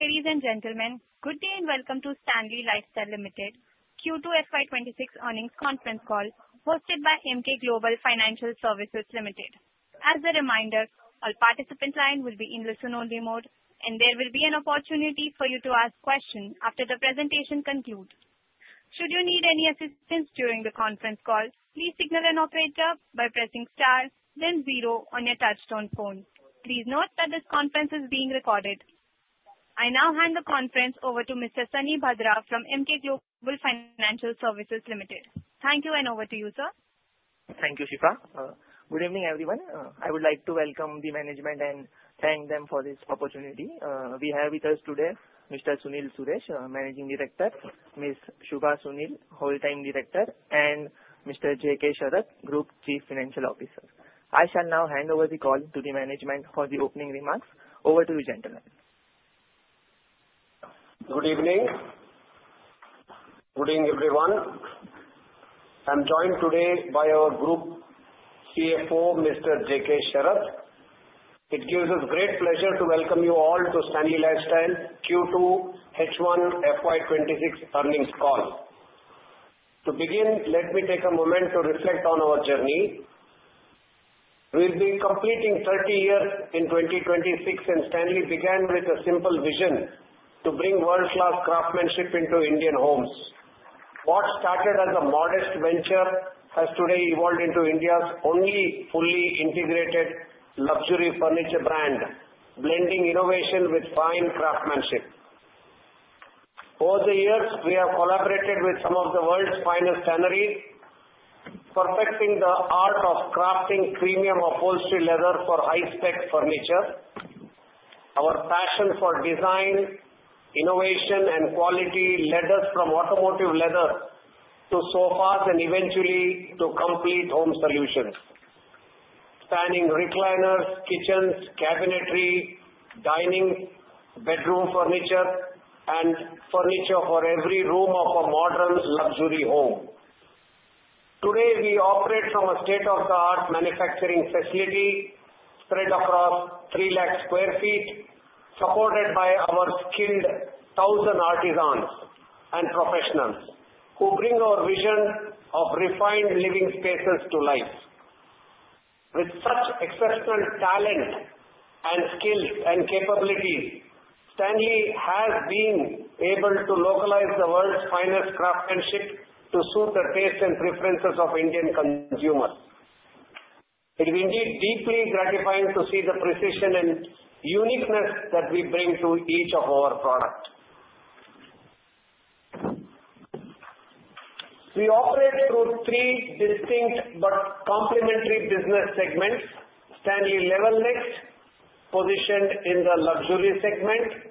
Ladies and gentlemen, good day and welcome to Stanley Lifestyles Limited Q2 FY26 Earnings Conference Call hosted by Emkay Global Financial Services Limited. As a reminder, our participant line will be in listen-only mode, and there will be an opportunity for you to ask questions after the presentation concludes. Should you need any assistance during the conference call, please signal an operator by pressing star, then 0 on your touch-tone phone. Please note that this conference is being recorded. I now hand the conference over to Mr. Sunny Bhadra from Emkay Global Financial Services Limited. Thank you, and over to you, sir. Thank you, Shiva. Good evening, everyone. I would like to welcome the management and thank them for this opportunity. We have with us today Mr. Sunil Suresh, Managing Director, Ms. Shubha Sunil, Whole Time Director, and Mr. J.K. Sharath, Group Chief Financial Officer. I shall now hand over the call to the management for the opening remarks. Over to you, gentlemen. Good evening. Good evening, everyone. I'm joined today by our Group CFO, Mr. J.K. Sharath. It gives us great pleasure to welcome you all to Stanley Lifestyle Q2 H1 FY26 earnings call. To begin, let me take a moment to reflect on our journey. We'll be completing 30 years in 2026, and Stanley began with a simple vision to bring world-class craftsmanship into Indian homes. What started as a modest venture has today evolved into India's only fully integrated luxury furniture brand, blending innovation with fine craftsmanship. Over the years, we have collaborated with some of the world's finest tanneries, perfecting the art of crafting premium upholstery leather for high-spec furniture. Our passion for design, innovation, and quality led us from automotive leather to sofas and eventually to complete home solutions, spanning recliners, kitchens, cabinetry, dining, bedroom furniture, and furniture for every room of a modern luxury home. Today, we operate from a state-of-the-art manufacturing facility spread across 300,000 sq ft, supported by our skilled 1,000 artisans and professionals who bring our vision of refined living spaces to life. With such exceptional talent and skills and capabilities, Stanley has been able to localize the world's finest craftsmanship to suit the tastes and preferences of Indian consumers. It is indeed deeply gratifying to see the precision and uniqueness that we bring to each of our products. We operate through three distinct but complementary business segments. Stanley Level Next, positioned in the luxury segment,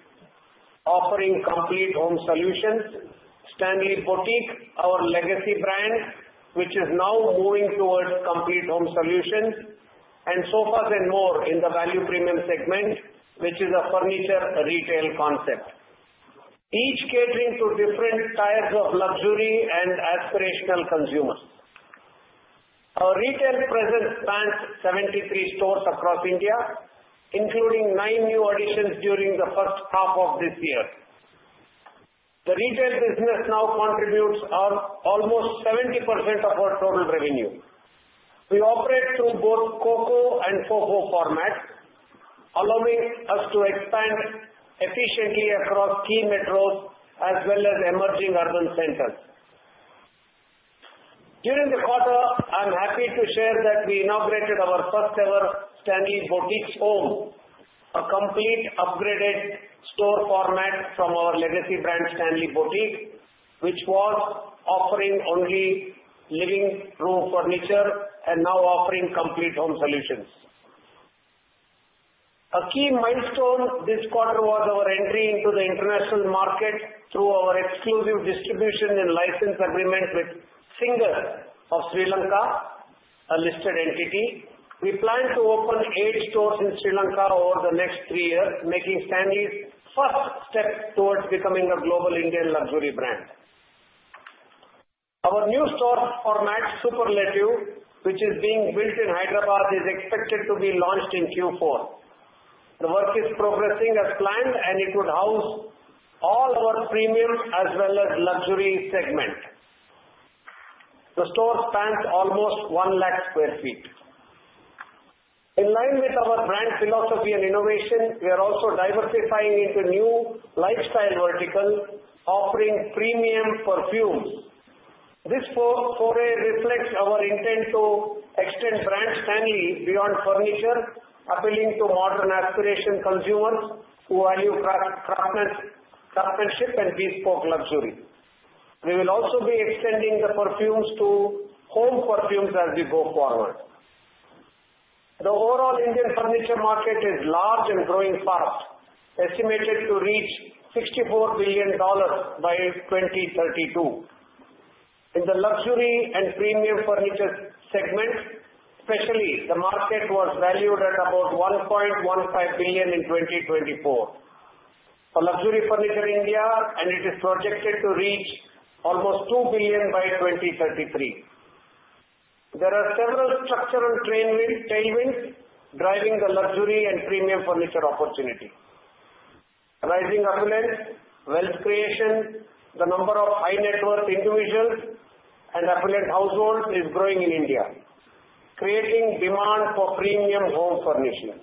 offering complete home solutions. Stanley Boutique, our legacy brand, which is now moving towards complete home solutions. And Sofas & More in the value-premium segment, which is a furniture retail concept, each catering to different tiers of luxury and aspirational consumers. Our retail presence spans 73 stores across India, including nine new additions during the first half of this year. The retail business now contributes almost 70% of our total revenue. We operate through both COCO and FOFO formats, allowing us to expand efficiently across key metros as well as emerging urban centers. During the quarter, I'm happy to share that we inaugurated our first-ever Stanley Boutique Home, a complete upgraded store format from our legacy brand, Stanley Boutique, which was offering only living room furniture and now offering complete home solutions. A key milestone this quarter was our entry into the international market through our exclusive distribution and license agreement with Singer of Sri Lanka, a listed entity. We plan to open eight stores in Sri Lanka over the next three years, making Stanley's first step towards becoming a global Indian luxury brand. Our new store format, Superlative, which is being built in Hyderabad, is expected to be launched in Q4. The work is progressing as planned, and it would house all our premium as well as luxury segment. The store spans almost 1 lakh sq ft. In line with our brand philosophy and innovation, we are also diversifying into new lifestyle verticals, offering premium perfumes. This foray reflects our intent to extend brand Stanley beyond furniture, appealing to modern aspiration consumers who value craftsmanship and bespoke luxury. We will also be extending the perfumes to home perfumes as we go forward. The overall Indian furniture market is large and growing fast, estimated to reach $64 billion by 2032. In the luxury and premium furniture segment, especially, the market was valued at about $1.15 billion in 2024 for luxury furniture in India, and it is projected to reach almost $2 billion by 2033. There are several structural tailwinds driving the luxury and premium furniture opportunity. Rising affluence, wealth creation, the number of high-net-worth individuals and affluent households is growing in India, creating demand for premium home furnishings.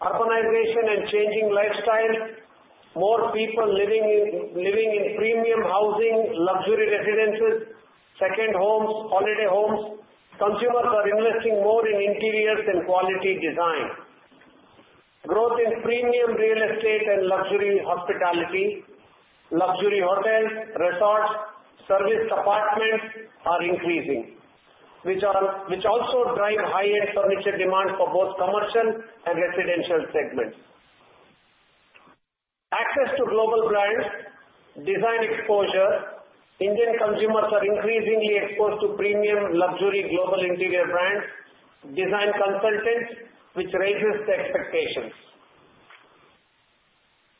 Urbanization and changing lifestyles, more people living in premium housing, luxury residences, second homes, holiday homes. Consumers are investing more in interiors and quality design. Growth in premium real estate and luxury hospitality, luxury hotels, resorts, service apartments are increasing, which also drive high-end furniture demand for both commercial and residential segments. Access to global brands, design exposure. Indian consumers are increasingly exposed to premium luxury global interior brands, design consultants, which raises the expectations.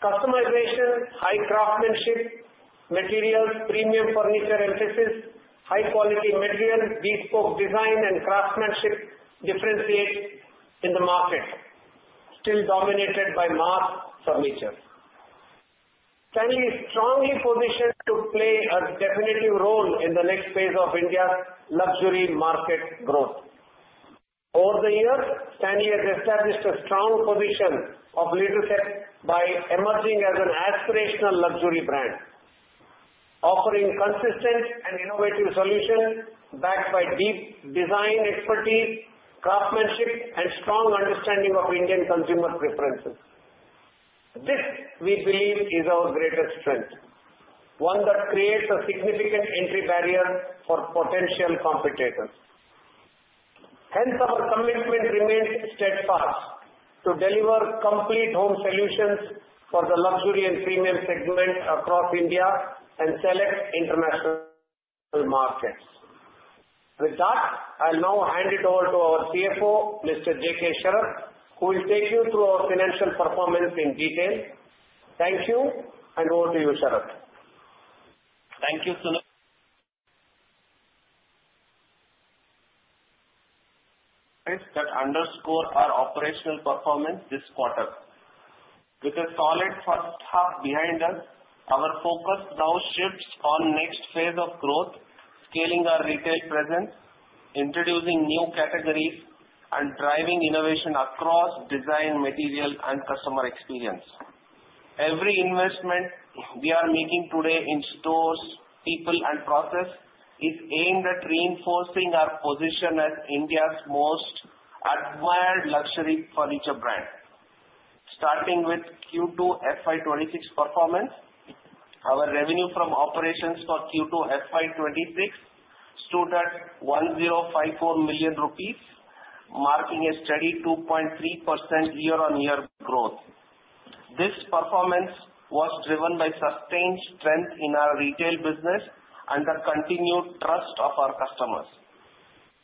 Customization, high craftsmanship, materials, premium furniture emphasis, high-quality materials, bespoke design, and craftsmanship differentiate in the market, still dominated by mass furniture. Stanley is strongly positioned to play a definitive role in the next phase of India's luxury market growth. Over the years, Stanley has established a strong position of leadership by emerging as an aspirational luxury brand, offering consistent and innovative solutions backed by deep design expertise, craftsmanship, and strong understanding of Indian consumer preferences. This, we believe, is our greatest strength, one that creates a significant entry barrier for potential competitors. Hence, our commitment remains steadfast to deliver complete home solutions for the luxury and premium segment across India and select international markets. With that, I'll now hand it over to our CFO, Mr. J.K. Sharath, who will take you through our financial performance in detail. Thank you, and over to you, Sharath. Thank you, Sunil. That underscores our operational performance this quarter. With a solid first half behind us, our focus now shifts on the next phase of growth, scaling our retail presence, introducing new categories, and driving innovation across design, material, and customer experience. Every investment we are making today in stores, people, and processes is aimed at reinforcing our position as India's most admired luxury furniture brand. Starting with Q2 FY26 performance, our revenue from operations for Q2 FY26 stood at 1,054 million rupees, marking a steady 2.3% year-on-year growth. This performance was driven by sustained strength in our retail business and the continued trust of our customers.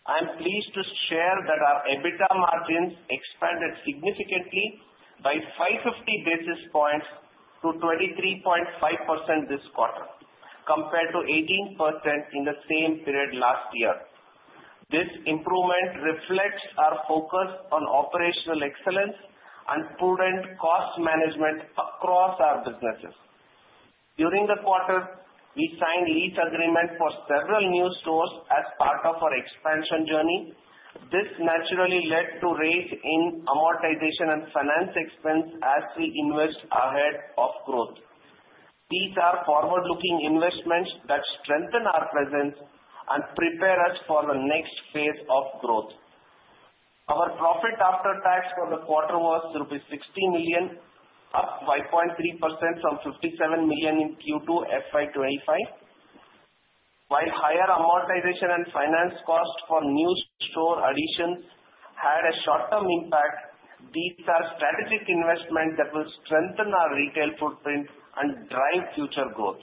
I'm pleased to share that our EBITDA margins expanded significantly by 550 basis points to 23.5% this quarter, compared to 18% in the same period last year. This improvement reflects our focus on operational excellence and prudent cost management across our businesses. During the quarter, we signed lease agreements for several new stores as part of our expansion journey. This naturally led to a rise in amortization and finance expense as we invest ahead of growth. These are forward-looking investments that strengthen our presence and prepare us for the next phase of growth. Our profit after tax for the quarter was rupees 60 million, up 5.3% from 57 million in Q2 FY25. While higher amortization and finance costs for new store additions had a short-term impact, these are strategic investments that will strengthen our retail footprint and drive future growth.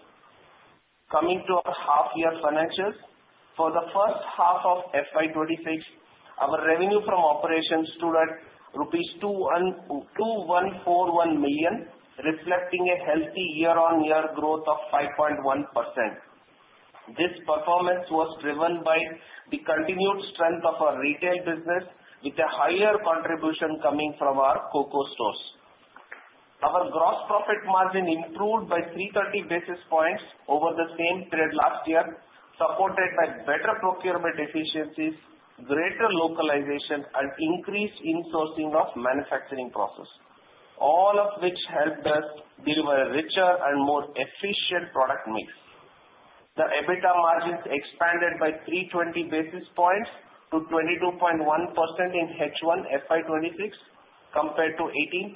Coming to our half-year financials, for the first half of FY26, our revenue from operations stood at rupees 2,141 million, reflecting a healthy year-on-year growth of 5.1%. This performance was driven by the continued strength of our retail business, with a higher contribution coming from our COCO stores. Our gross profit margin improved by 330 basis points over the same period last year, supported by better procurement efficiencies, greater localization, and increased insourcing of manufacturing processes, all of which helped us deliver a richer and more efficient product mix. The EBITDA margins expanded by 320 basis points to 22.1% in H1 FY26, compared to 18.9%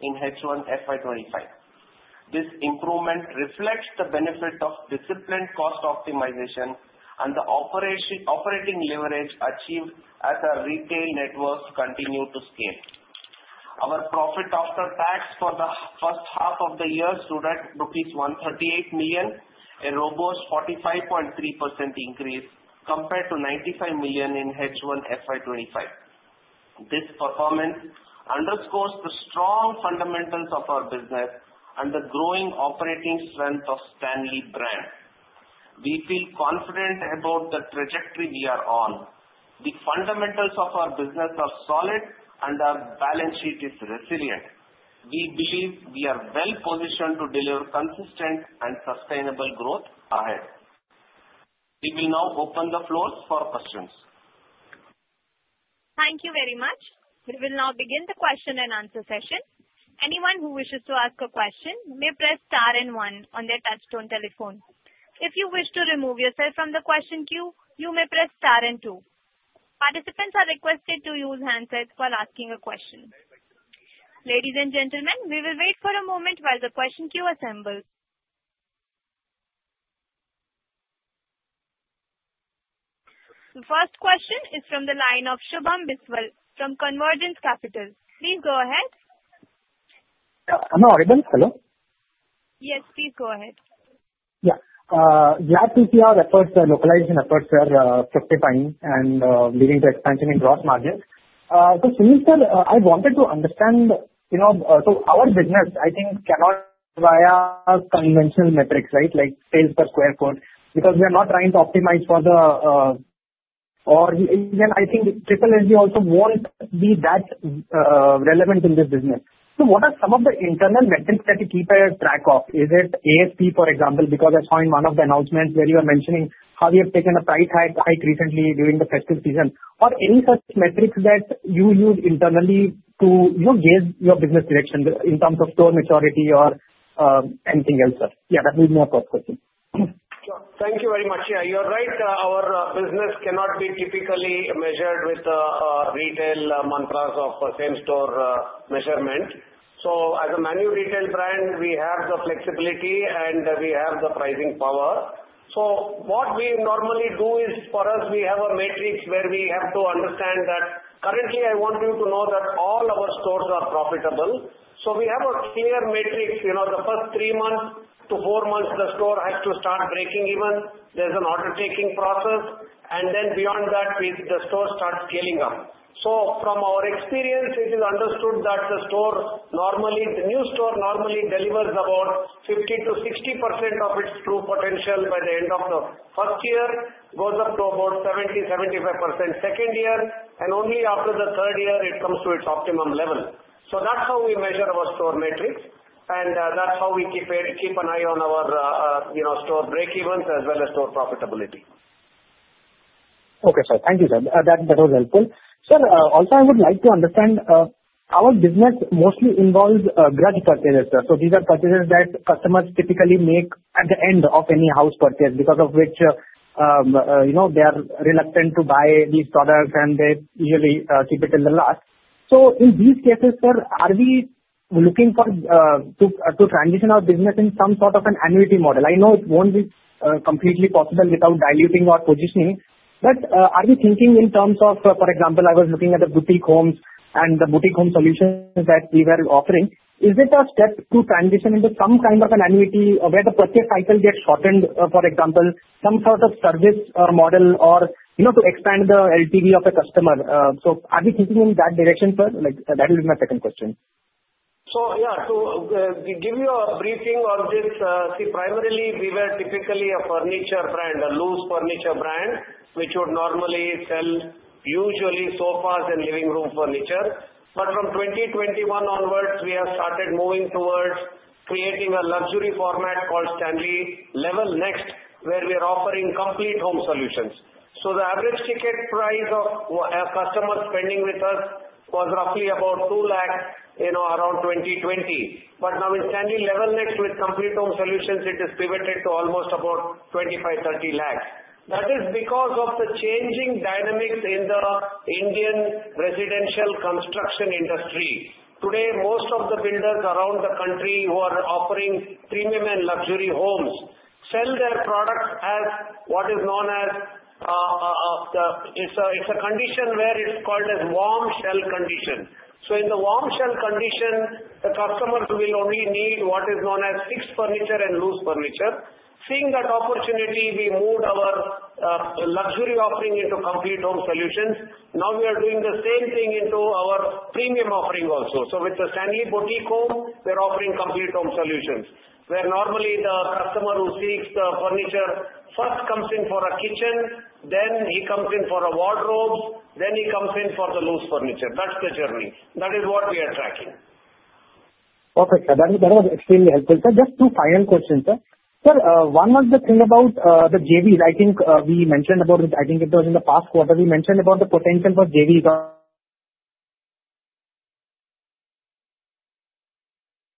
in H1 FY25. This improvement reflects the benefit of disciplined cost optimization and the operating leverage achieved as our retail networks continue to scale. Our profit after tax for the first half of the year stood at rupees 138 million, a robust 45.3% increase compared to 95 million in H1 FY25. This performance underscores the strong fundamentals of our business and the growing operating strength of Stanley brand. We feel confident about the trajectory we are on. The fundamentals of our business are solid, and our balance sheet is resilient. We believe we are well-positioned to deliver consistent and sustainable growth ahead. We will now open the floor for questions. Thank you very much. We will now begin the question and answer session. Anyone who wishes to ask a question may press star and one on their touch-tone telephone. If you wish to remove yourself from the question queue, you may press star and two. Participants are requested to use handsets while asking a question. Ladies and gentlemen, we will wait for a moment while the question queue assembles. The first question is from the line of Shubham Biswal from Convergence Capital. Please go ahead. Hello, Arvind. Hello. Yes, please go ahead. Yeah. Yeah, PCR efforts, localization efforts are fructifying and leading to expansion in gross margins. So, Sunil sir, I wanted to understand, you know, so our business, I think, cannot rely on conventional metrics, right, like sales per sq ft, because we are not trying to optimize for the, or, again, I think trading density also won't be that relevant in this business. So what are some of the internal metrics that you keep a track of? Is it ASP, for example, because I saw in one of the announcements where you are mentioning how you have taken a price hike recently during the festive season? Are there any such metrics that you use internally to, you know, gauge your business direction in terms of store maturity or anything else? Yeah, that will be my first question. Sure. Thank you very much. Yeah, you're right. Our business cannot be typically measured with retail mantras of same-store measurement. So, as a premium retail brand, we have the flexibility and we have the pricing power. So what we normally do is, for us, we have metrics where we have to understand that currently, I want you to know that all our stores are profitable. So we have clear metrics. You know, the first three months to four months, the store has to start breaking even. There's an order-taking process. And then beyond that, the store starts scaling up. From our experience, it is understood that the store, normally, the new store normally delivers about 50%-60% of its true potential by the end of the first year, goes up to about 70%-75% second year, and only after the third year, it comes to its optimum level. That's how we measure our store metrics, and that's how we keep an eye on our, you know, store breakevens as well as store profitability. Okay, sir. Thank you, sir. That was helpful. Sir, also, I would like to understand, our business mostly involves grudge purchases. So these are purchases that customers typically make at the end of any house purchase, because of which, you know, they are reluctant to buy these products, and they usually keep it till the last. So, in these cases, sir, are we looking to transition our business into some sort of an annuity model? I know it won't be completely possible without diluting our positioning, but are we thinking in terms of, for example, I was looking at the boutique homes and the boutique home solutions that we were offering. Is it a step to transition into some kind of an annuity where the purchase cycle gets shortened, for example, some sort of service model or, you know, to expand the LTV of a customer? So, are we thinking in that direction, sir? Like, that will be my second question. Yeah, to give you a briefing on this, see, primarily, we were typically a furniture brand, a loose furniture brand, which would normally sell usually sofas and living room furniture. But from 2021 onwards, we have started moving towards creating a luxury format called Stanley Level Next, where we are offering complete home solutions. The average ticket price of a customer spending with us was roughly about 200,000, you know, around 2020. But now, in Stanley Level Next with complete home solutions, it is pivoted to almost about 2,500,000. That is because of the changing dynamics in the Indian residential construction industry. Today, most of the builders around the country who are offering premium and luxury homes sell their products as what is known as warm shell condition. In the warm shell condition, the customers will only need what is known as fixed furniture and loose furniture. Seeing that opportunity, we moved our luxury offering into complete home solutions. Now, we are doing the same thing into our premium offering also. With the Stanley Boutique Home, we are offering complete home solutions, where normally the customer who seeks the furniture first comes in for a kitchen, then he comes in for a wardrobe, then he comes in for the loose furniture. That's the journey. That is what we are tracking. Okay, sir. That was extremely helpful, sir. Just two final questions, sir. Sir, one was the thing about the JVs. I think we mentioned about it. I think it was in the past quarter. We mentioned about the potential for JVs.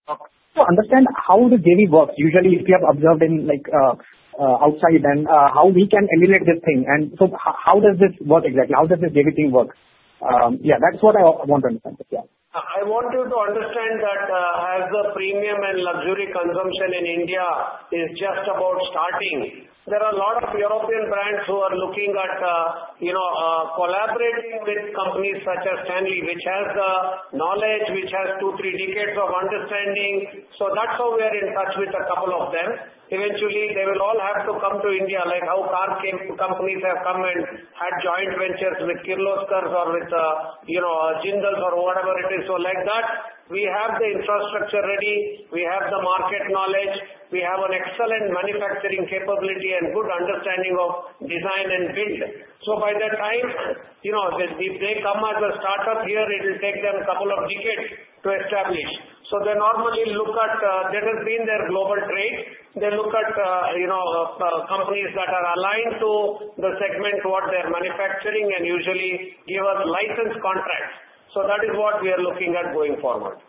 Okay. To understand how the JV works, usually, if you have observed in, like, outside, then how we can emulate this thing. And so, how does this work exactly? How does this JV thing work? Yeah, that's what I want to understand, sir. Yeah. I want you to understand that as the premium and luxury consumption in India is just about starting, there are a lot of European brands who are looking at, you know, collaborating with companies such as Stanley, which has the knowledge, which has two, three decades of understanding. So, that's how we are in touch with a couple of them. Eventually, they will all have to come to India, like how car companies have come and had joint ventures with Kirloskar or with, you know, Jindal or whatever it is. So, like that, we have the infrastructure ready, we have the market knowledge, we have an excellent manufacturing capability and good understanding of design and build. So, by the time, you know, if they come as a startup here, it will take them a couple of decades to establish. So, they normally look at, that has been their global trade. They look at, you know, companies that are aligned to the segment, what they're manufacturing, and usually give us license contracts. So, that is what we are looking at going forward.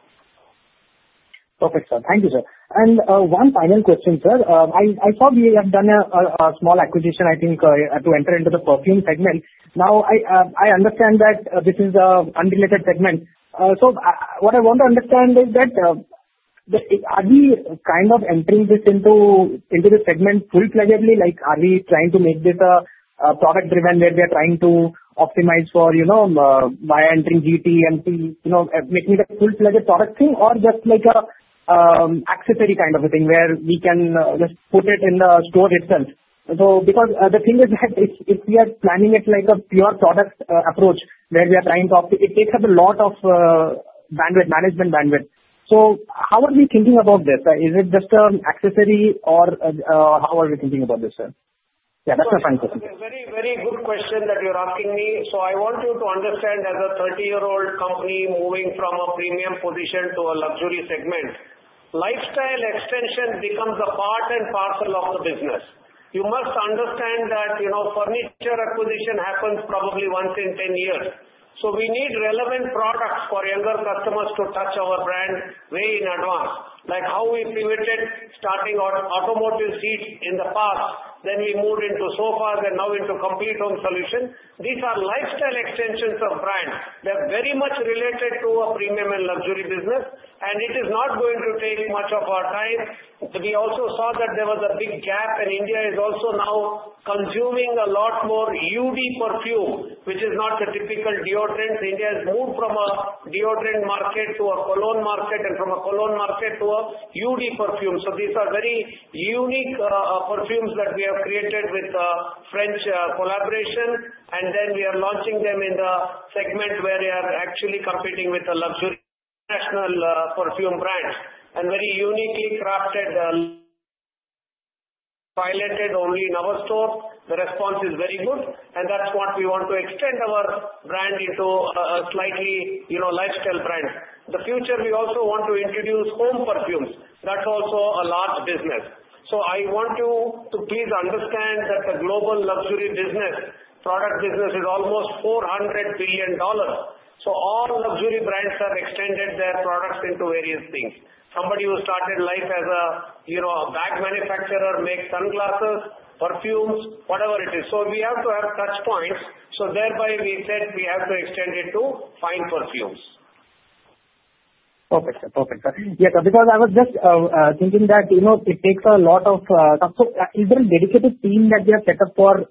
Perfect, sir. Thank you, sir. And one final question, sir. I saw we have done a small acquisition, I think, to enter into the perfume segment. Now, I understand that this is an unrelated segment. So, what I want to understand is that, are we kind of entering this into the segment full-fledgedly? Like, are we trying to make this a product-driven where we are trying to optimize for, you know, by entering GT and see, you know, making it a full-fledged product thing or just like an accessory kind of a thing where we can just put it in the store itself? So, because the thing is that if we are planning it like a pure product approach where we are trying to optimize, it takes up a lot of bandwidth, management bandwidth. So, how are we thinking about this? Is it just an accessory or how are we thinking about this, sir? Yeah, that's my final question. That's a very, very good question that you're asking me. So, I want you to understand, as a 30-year-old company moving from a premium position to a luxury segment, lifestyle extension becomes a part and parcel of the business. You must understand that, you know, furniture acquisition happens probably once in 10 years. So, we need relevant products for younger customers to touch our brand way in advance, like how we pivoted starting automotive seats in the past, then we moved into sofas and now into complete home solutions. These are lifestyle extensions of brands. They're very much related to a premium and luxury business, and it is not going to take much of our time. We also saw that there was a big gap, and India is also now consuming a lot more Oud perfume, which is not the typical deodorant. India has moved from a deodorant market to a cologne market and from a cologne market to a Oud perfume. These are very unique perfumes that we have created with a French collaboration, and then we are launching them in the segment where we are actually competing with a luxury international perfume brand. Very uniquely crafted, piloted only in our store, the response is very good, and that's what we want to extend our brand into a slightly, you know, lifestyle brand. In the future, we also want to introduce home perfumes. That's also a large business. I want you to please understand that the global luxury business, product business, is almost $400 billion. All luxury brands have extended their products into various things. Somebody who started life as a, you know, a bag manufacturer makes sunglasses, perfumes, whatever it is. So, we have to have touch points. So, thereby, we said we have to extend it to fine perfumes. Perfect, sir. Perfect, sir. Yeah, because I was just thinking that, you know, it takes a lot of. So, is there a dedicated team that we have set up for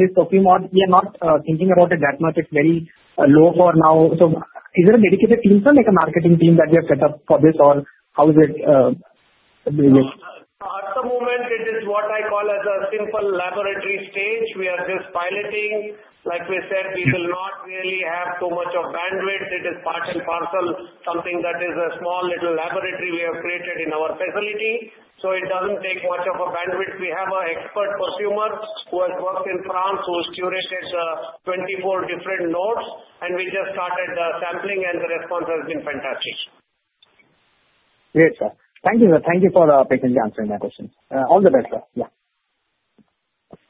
this perfume? We are not thinking about it that much. It's very low for now. So, is there a dedicated team, sir, like a marketing team that we have set up for this, or how is it? At the moment, it is what I call as a simple laboratory stage. We are just piloting. Like we said, we will not really have too much of bandwidth. It is part and parcel something that is a small little laboratory we have created in our facility. So, it doesn't take much of a bandwidth. We have an expert perfumer who has worked in France, who has curated 24 different notes, and we just started sampling, and the response has been fantastic. Great, sir. Thank you, sir. Thank you for patiently answering my questions. All the best, sir. Yeah.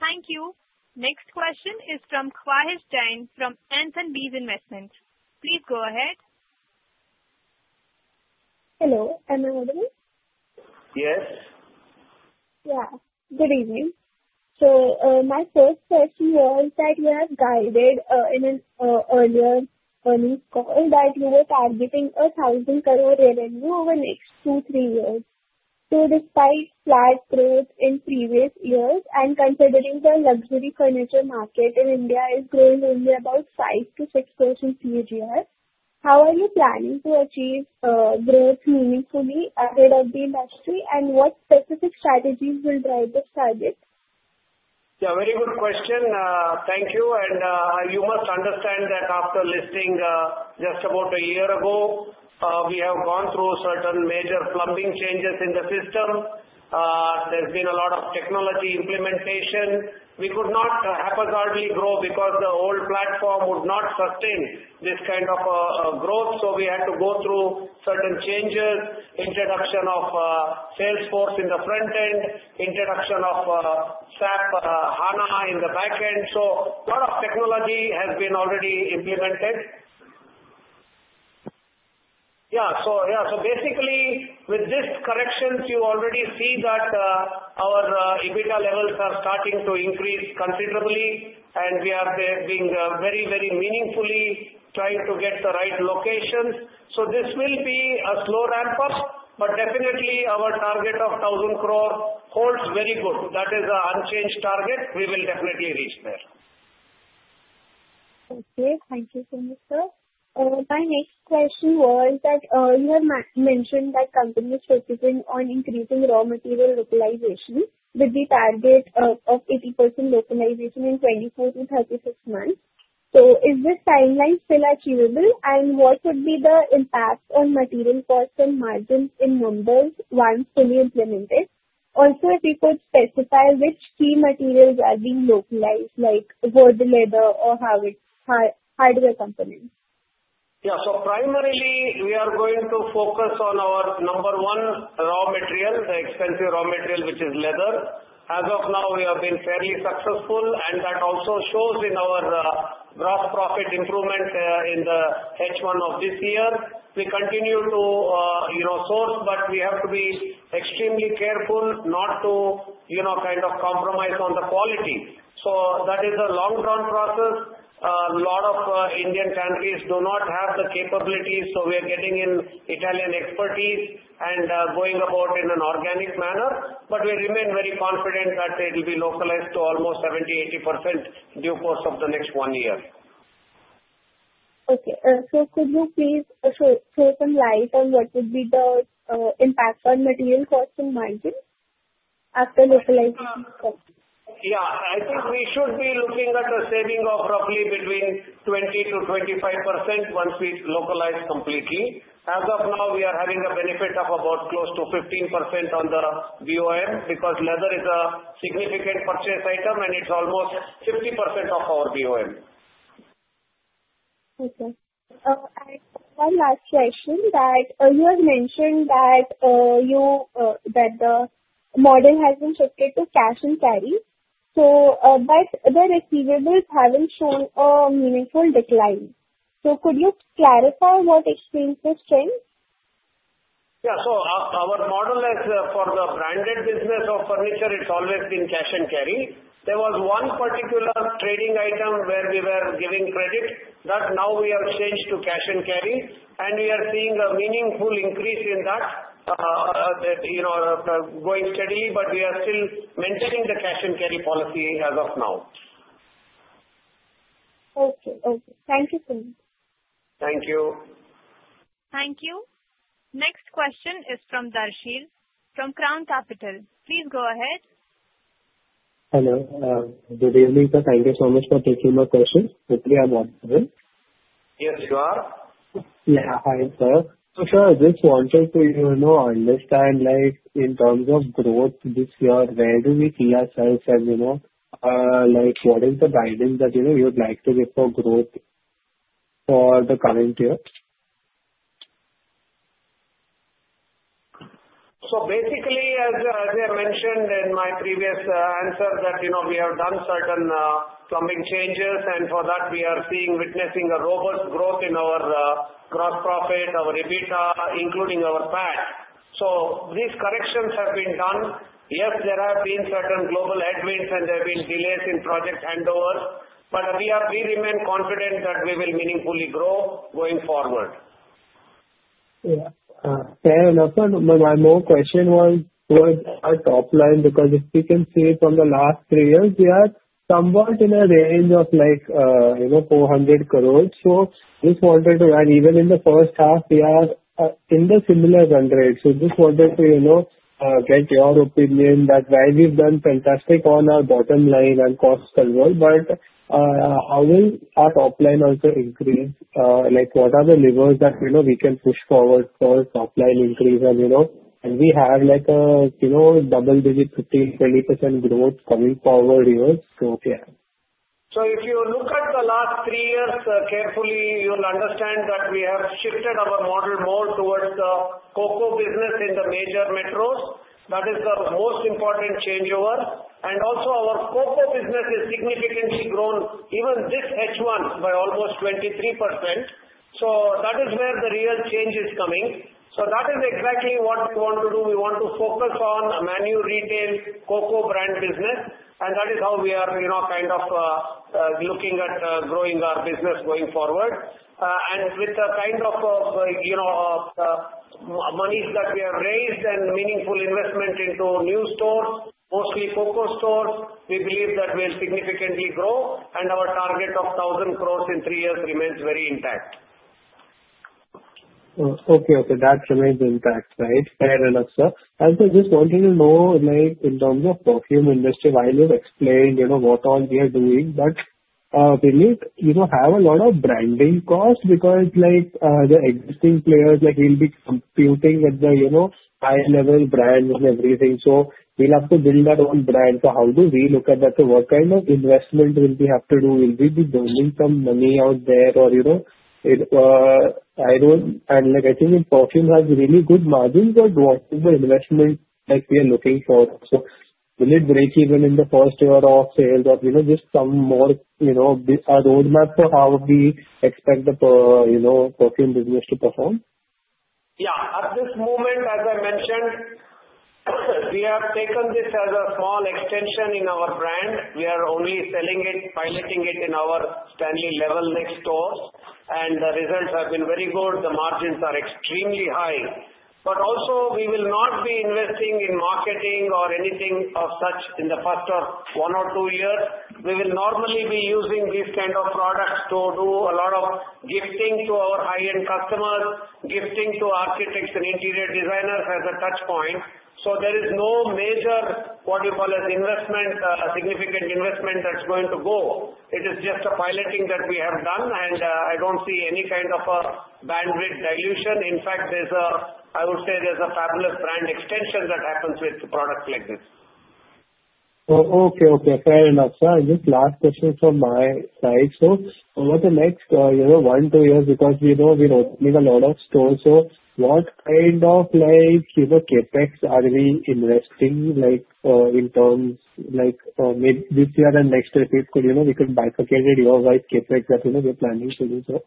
Thank you. Next question is from Khwahish Jain from Ants & Bees Investments. Please go ahead. Hello. Am I audible? Yes. Yeah. Good evening. So, my first question was that we have guided in an earlier earnings call that we were targeting a thousand-crore revenue over the next two, three years. So, despite flat growth in previous years and considering the luxury furniture market in India is growing only about 5%-6% year to year, how are you planning to achieve growth meaningfully ahead of the industry, and what specific strategies will drive this target? Yeah, very good question. Thank you, and you must understand that after listing just about a year ago, we have gone through certain major plumbing changes in the system. There's been a lot of technology implementation. We could not haphazardly grow because the old platform would not sustain this kind of growth. So, we had to go through certain changes, introduction of Salesforce in the front end, introduction of SAP HANA in the back end. So, a lot of technology has been already implemented. Yeah. So, yeah. So, basically, with this correction, you already see that our EBITDA levels are starting to increase considerably, and we are being very, very meaningfully trying to get the right locations. So, this will be a slow ramp-up, but definitely, our target of thousand crore holds very good. That is an unchanged target. We will definitely reach there. Okay. Thank you so much, sir. My next question was that you had mentioned that companies focusing on increasing raw material localization with the target of 80% localization in 24-36 months. So, is this timeline still achievable, and what would be the impact on material costs and margins in numbers once fully implemented? Also, if you could specify which key materials are being localized, like wood, leather, or hardware components? Yeah. So, primarily, we are going to focus on our number one raw material, the expensive raw material, which is leather. As of now, we have been fairly successful, and that also shows in our gross profit improvement in the H1 of this year. We continue to, you know, source, but we have to be extremely careful not to, you know, kind of compromise on the quality. So, that is a long-term process. A lot of Indian companies do not have the capabilities, so we are getting in Italian expertise and going about in an organic manner. But we remain very confident that it will be localized to almost 70%-80% in due course over the next one year. Okay. So, could you please shed some light on what would be the impact on material costs and margins after localization? Yeah. I think we should be looking at a saving of roughly between 20%-25% once we localize completely. As of now, we are having a benefit of about close to 15% on the BOM because leather is a significant purchase item, and it's almost 50% of our BOM. Okay. One last question that you had mentioned that the model has been shifted to cash and carry. So, but the receivables haven't shown a meaningful decline. So, could you clarify what explains this trend? Yeah. So, our model is for the branded business of furniture. It's always been cash and carry. There was one particular trading item where we were giving credit that now we have changed to cash and carry, and we are seeing a meaningful increase in that, you know, going steadily, but we are still maintaining the cash and carry policy as of now. Okay. Okay. Thank you so much. Thank you. Thank you. Next question is from Darshil from Crown Capital. Please go ahead. Hello. Good evening, sir. Thank you so much for taking my question. Hopefully, I'm audible. Yes, you are. Yeah. Hi, sir. So, sir, just wanted to, you know, understand, like, in terms of growth this year, where do we see ourselves as, you know, like, what is the guidance that, you know, you'd like to give for growth for the coming year? So, basically, as I mentioned in my previous answer, that, you know, we have done certain plumbing changes, and for that, we are seeing, witnessing a robust growth in our gross profit, our EBITDA, including our PAT. So, these corrections have been done. Yes, there have been certain global headwinds, and there have been delays in project handovers, but we remain confident that we will meaningfully grow going forward. Yeah. And my main question was towards our top line because if we can see from the last three years, we are somewhat in a range of, like, you know, 400 crores. So, just wanted to, and even in the first half, we are in the similar run rate. So, just wanted to, you know, get your opinion that, while we've done fantastic on our bottom line and costs as well, but how will our top line also increase? Like, what are the levers that, you know, we can push forward for top line increase and, you know, and we have, like, a, you know, double-digit 15%-20% growth coming forward years. So, yeah. If you look at the last three years carefully, you'll understand that we have shifted our model more towards the COCO business in the major metros. That is the most important changeover. Our COCO business has significantly grown, even this H1, by almost 23%. That is where the real change is coming. That is exactly what we want to do. We want to focus on a modern retail COCO brand business, and that is how we are, you know, kind of looking at growing our business going forward. With the kind of, you know, monies that we have raised and meaningful investment into new stores, mostly COCO stores, we believe that we'll significantly grow, and our target of 1,000 crores in three years remains very intact. Okay. Okay. That remains intact, right? Fair enough, sir. I was just wanting to know, like, in terms of perfume industry, while you've explained, you know, what all we are doing, but we need, you know, to have a lot of branding costs because, like, the existing players, like, we'll be competing with the, you know, high-level brands and everything. So, we'll have to build that own brand. So, how do we look at that? What kind of investment will we have to do? Will we be burning some money out there or, you know, I don't, and, like, I think perfume has really good margins, but what is the investment, like, we are looking for? So, will it break even in the first year of sales or, you know, just some more, you know, a roadmap for how we expect the, you know, perfume business to perform? Yeah. At this moment, as I mentioned, we have taken this as a small extension in our brand. We are only selling it, piloting it in our Stanley Level Next stores, and the results have been very good. The margins are extremely high. But also, we will not be investing in marketing or anything of such in the past or one or two years. We will normally be using these kinds of products to do a lot of gifting to our high-end customers, gifting to architects and interior designers as a touch point. So, there is no major, what you call as investment, significant investment that's going to go. It is just a piloting that we have done, and I don't see any kind of a bandwidth dilution. In fact, there's a, I would say there's a fabulous brand extension that happens with products like this. Okay. Okay. Fair enough, sir. Just last question from my side. So, over the next, you know, one to two years, because we know we're opening a lot of stores, so what kind of, like, you know, CapEx are we investing, like, in terms, like, this year and next year, if we, you know, we can bifurcate it year-wise CapEx that, you know, we're planning to do, sir?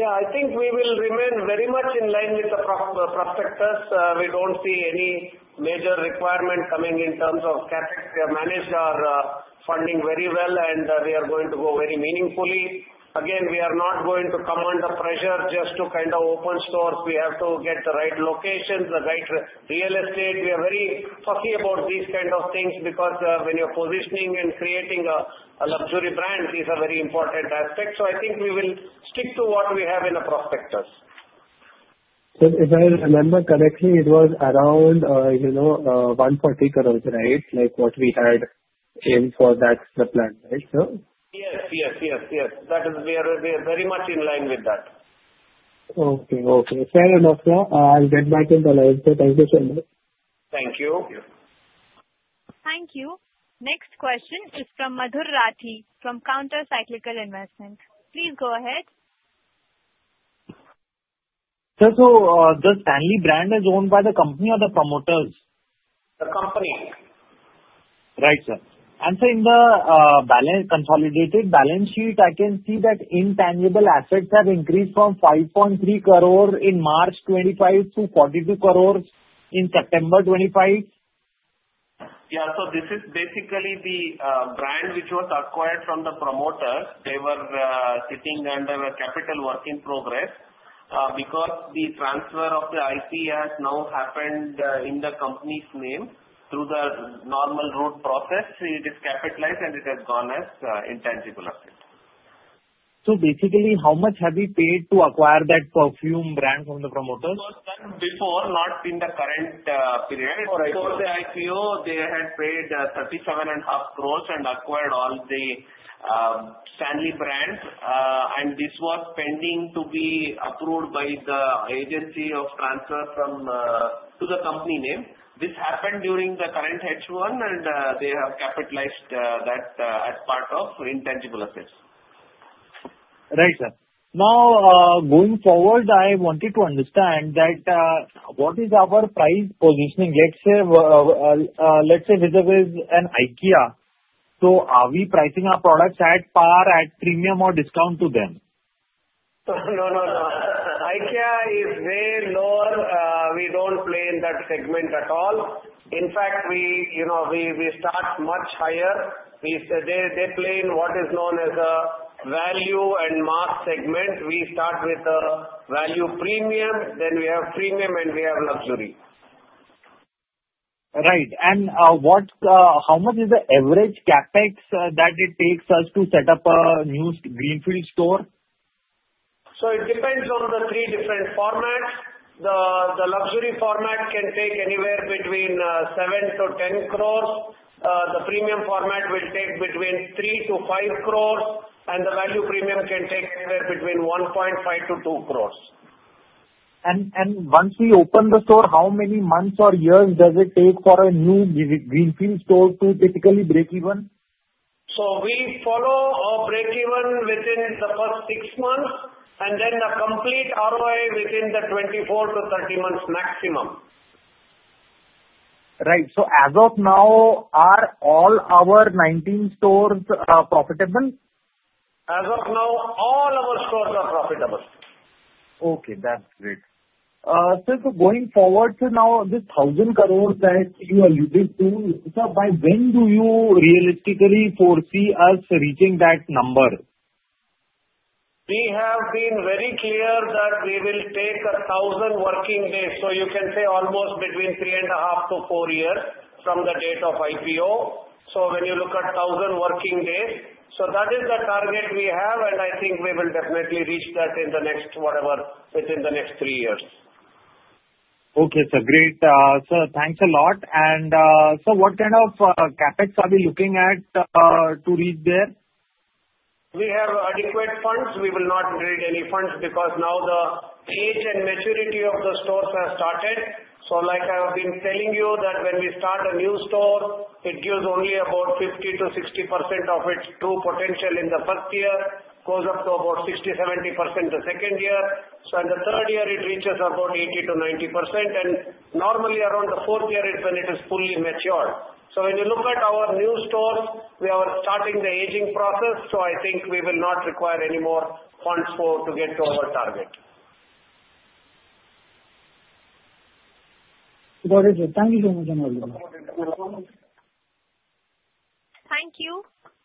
Yeah. I think we will remain very much in line with the prospectus. We don't see any major requirement coming in terms of CapEx. We have managed our funding very well, and we are going to go very meaningfully. Again, we are not going to come under pressure just to kind of open stores. We have to get the right locations, the right real estate. We are very fussy about these kinds of things because when you're positioning and creating a luxury brand, these are very important aspects. So, I think we will stick to what we have in the prospectus. Sir, if I remember correctly, it was around, you know, 140 crores, right, like what we had aimed for that plan, right, sir? Yes. Yes. Yes. Yes. That is, we are very much in line with that. Okay. Okay. Fair enough, sir. I'll get back in the line, sir. Thank you so much. Thank you. Thank you. Next question is from Madhur Rathi from Counter Cyclical Investments. Please go ahead. Sir, so does Stanley brand is owned by the company or the promoters? The company. Right, sir. And, sir, in the consolidated balance sheet, I can see that intangible assets have increased from 5.3 crores in March 2025 to 42 crores in September 2025. Yeah. So, this is basically the brand which was acquired from the promoters. They were sitting under a capital work in progress because the transfer of the IP has now happened in the company's name through the normal route process. It is capitalized, and it has gone as intangible assets. So, basically, how much have we paid to acquire that perfume brand from the promoters? Before, not in the current period. Before the IPO, they had paid 37.5 crores and acquired all the Stanley brands, and this was pending to be approved by the agency of transfer to the company name. This happened during the current H1, and they have capitalized that as part of intangible assets. Right, sir. Now, going forward, I wanted to understand that what is our price positioning? Let's say vis-à-vis IKEA. So, are we pricing our products at par, at premium, or discount to them? No, no, no. IKEA is way lower. We don't play in that segment at all. In fact, we, you know, we start much higher. They play in what is known as a value and mass segment. We start with a value premium, then we have premium, and we have luxury. Right. And how much is the average CapEx that it takes us to set up a new greenfield store? It depends on the three different formats. The luxury format can take anywhere between 7 to 10 crores. The premium format will take between 3 to 5 crores, and the value premium can take anywhere between 1.5 to 2 crores. Once we open the store, how many months or years does it take for a new greenfield store to typically break even? We follow a break-even within the first six months, and then a complete ROI within the 24 to 30 months maximum. Right, so as of now, are all our 19 stores profitable? As of now, all our stores are profitable. Okay. That's great. Sir, so going forward to now, this 1,000 crores that you alluded to, sir, by when do you realistically foresee us reaching that number? We have been very clear that we will take 1,000 working days. So, you can say almost between three and a half to four years from the date of IPO. So, when you look at 1,000 working days, so that is the target we have, and I think we will definitely reach that in the next whatever within the next three years. Okay, sir. Great. Sir, thanks a lot. And sir, what kind of Capex are we looking at to reach there? We have adequate funds. We will not need any funds because now the age and maturity of the stores has started. So, like I have been telling you, that when we start a new store, it gives only about 50%-60% of its true potential in the first year, goes up to about 60%-70% the second year. So, in the third year, it reaches about 80%-90%, and normally around the fourth year is when it is fully matured. So, when you look at our new stores, we are starting the aging process, so I think we will not require any more funds to get to our target. Got it, sir. Thank you so much for your time. Thank you.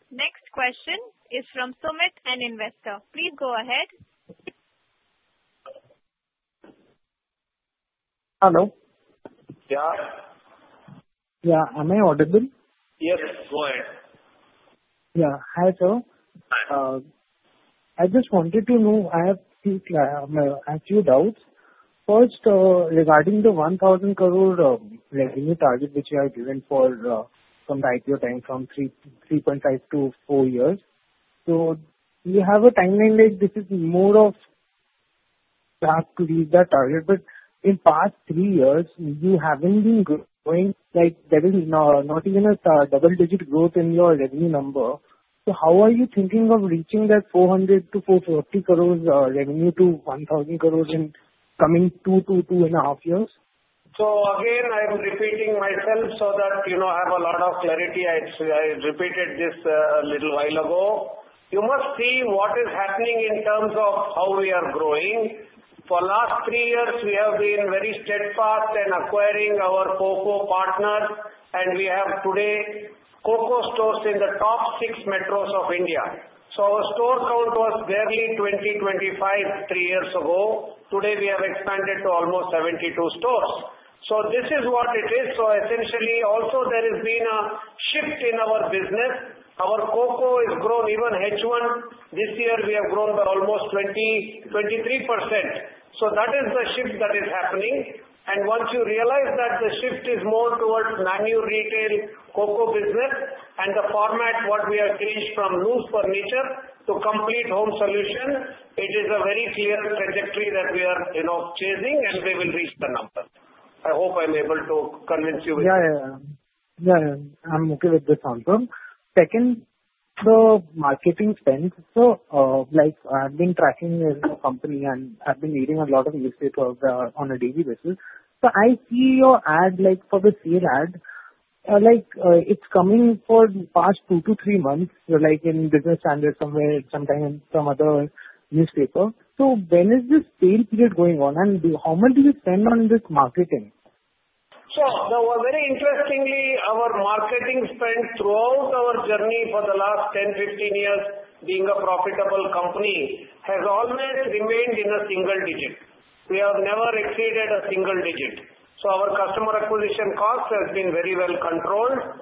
Next question is from Sumit, an investor. Please go ahead. Hello? Yeah. Yeah. Am I audible? Yes. Go ahead. Yeah. Hi, sir. Hi. I just wanted to know. I have a few doubts. First, regarding the 1,000-crore target which you have given for from the IPO time from 3.5-4 years, so you have a timeline like this is more of perhaps to reach that target, but in past three years, you haven't been growing, like, there is not even a double-digit growth in your revenue number, so how are you thinking of reaching that 400-450 crores revenue to 1,000 crores in coming two, two, two and a half years? Again, I'm repeating myself so that, you know, I have a lot of clarity. I repeated this a little while ago. You must see what is happening in terms of how we are growing. For the last three years, we have been very steadfast in acquiring our COCO partners, and we have today COCO stores in the top six metros of India. Our store count was barely 20-25 three years ago. Today, we have expanded to almost 72 stores. This is what it is. Essentially, also there has been a shift in our business. Our COCO has grown even H1. This year, we have grown by almost 20-23%. That is the shift that is happening. Once you realize that the shift is more towards modern retail COCO business and the format, what we have changed from new furniture to complete home solution, it is a very clear trajectory that we are, you know, chasing, and we will reach the number. I hope I'm able to convince you with that. Yeah. I'm okay with this answer. Second, the marketing spend. So, like, I've been tracking your company and I've been reading a lot of newspapers on a daily basis. So, I see your ad, like, for the sale ad, like, it's coming for the past two to three months, like, in Business Standard somewhere, sometimes some other newspaper. So, when is this sale period going on, and how much do you spend on this marketing? Sure. Now, very interestingly, our marketing spend throughout our journey for the last 10, 15 years being a profitable company has always remained in a single digit. We have never exceeded a single digit. So, our customer acquisition cost has been very well controlled.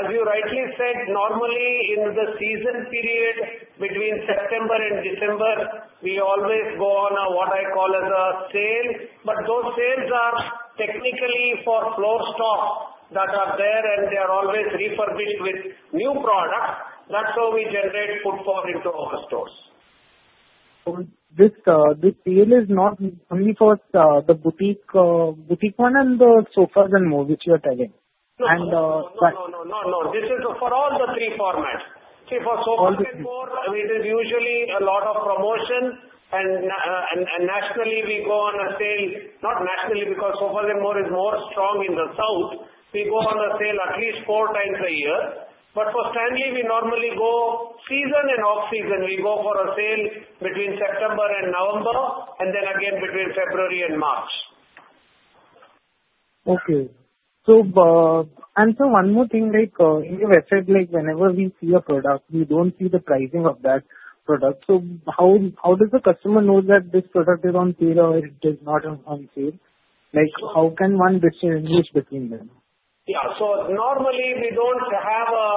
As you rightly said, normally in the season period between September and December, we always go on what I call as a sale, but those sales are technically for floor stock that are there, and they are always refurbished with new products. That's how we generate footfall into our stores. This sale is not only for the Boutique one and the Sofas & More which you are telling. No, no, no, no, no, no. This is for all the three formats. See, for Sofas & More, it is usually a lot of promotion, and nationally we go on a sale, not nationally because Sofas & More is more strong in the south. We go on a sale at least four times a year. But for Stanley, we normally go season and off-season. We go for a sale between September and November, and then again between February and March. Okay. So, and sir, one more thing, like, in your website, like, whenever we see a product, we don't see the pricing of that product. So, how does the customer know that this product is on sale or it is not on sale? Like, how can one distinguish between them? Yeah. So, normally we don't have a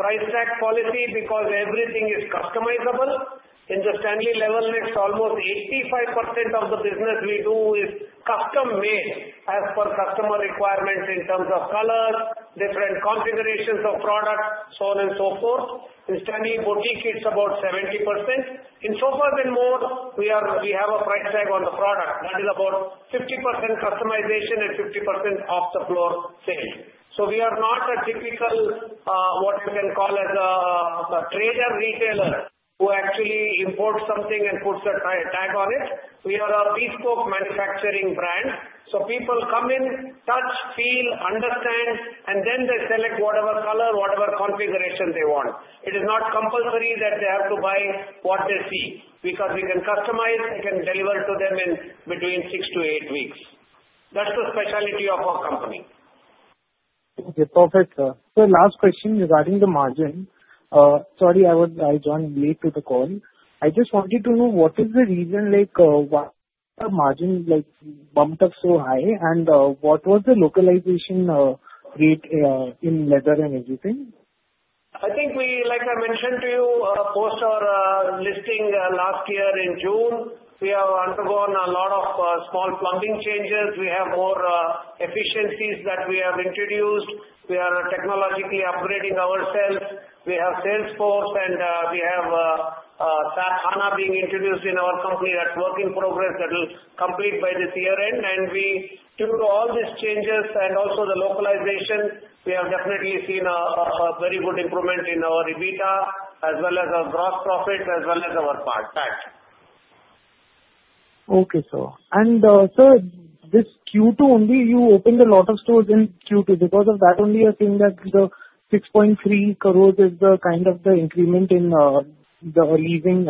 price tag policy because everything is customizable. In the Stanley Level Next, almost 85% of the business we do is custom-made as per customer requirements in terms of colors, different configurations of products, so on and so forth. In Stanley Boutique, it's about 70%. In Sofas & More, we have a price tag on the product. That is about 50% customization and 50% off-the-floor sale. So, we are not a typical what you can call as a trader retailer who actually imports something and puts a tag on it. We are a bespoke manufacturing brand. So, people come in, touch, feel, understand, and then they select whatever color, whatever configuration they want. It is not compulsory that they have to buy what they see because we can customize, we can deliver to them in between six to eight weeks. That's the specialty of our company. Okay. Perfect, sir. Sir, last question regarding the margin. Sorry, I joined late to the call. I just wanted to know what is the reason, like, why the margin, like, bumped up so high, and what was the localization rate in leather and everything? I think we, like I mentioned to you, post our listing last year in June, we have undergone a lot of small plumbing changes. We have more efficiencies that we have introduced. We are technologically upgrading ourselves. We have Salesforce, and we have SAP S/4HANA being introduced in our company that's a work in progress that will complete by this year end, and due to all these changes and also the localization, we have definitely seen a very good improvement in our EBITDA as well as our gross profits as well as our PAT. Okay, sir. And sir, this Q2 only, you opened a lot of stores in Q2. Because of that, only you are seeing that the 6.3 crores is the kind of the increment in the leasing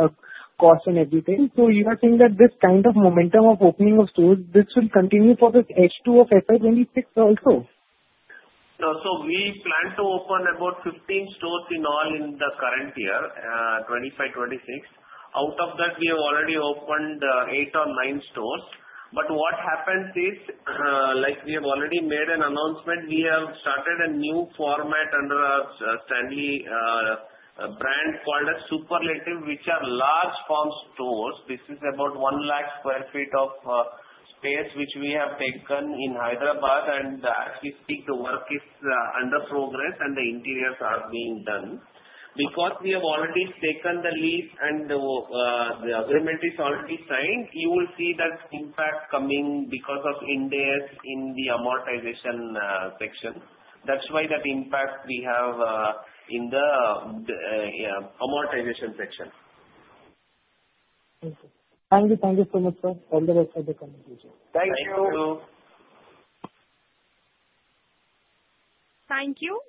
cost and everything. So you are seeing that this kind of momentum of opening of stores, this will continue for the H2 of FY26 also? We plan to open about 15 stores in all in the current year, 25, 26. Out of that, we have already opened eight or nine stores. But what happens is, like, we have already made an announcement. We have started a new format under a Stanley brand called a Superlative, which are large format stores. This is about one lakh sq ft of space which we have taken in Hyderabad, and as we speak, the work is under progress, and the interiors are being done. Because we have already taken the lease and the agreement is already signed, you will see that impact coming because of indexation in the amortization section. That's why that impact we have in the amortization section. Okay. Thank you. Thank you so much, sir. All the best for the conversation. Thank you. Thank you.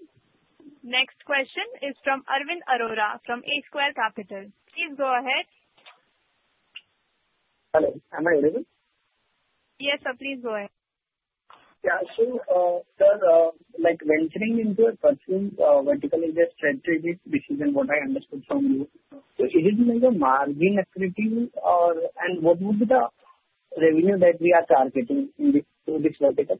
Next question is from Arvind Arora from A Square Capital. Please go ahead. Hello. Am I audible? Yes, sir. Please go ahead. Yeah. So, sir, like, venturing into a consumer vertical is a strategic decision, what I understood from you. So, is it like a margin activity, and what would be the revenue that we are targeting in this vertical?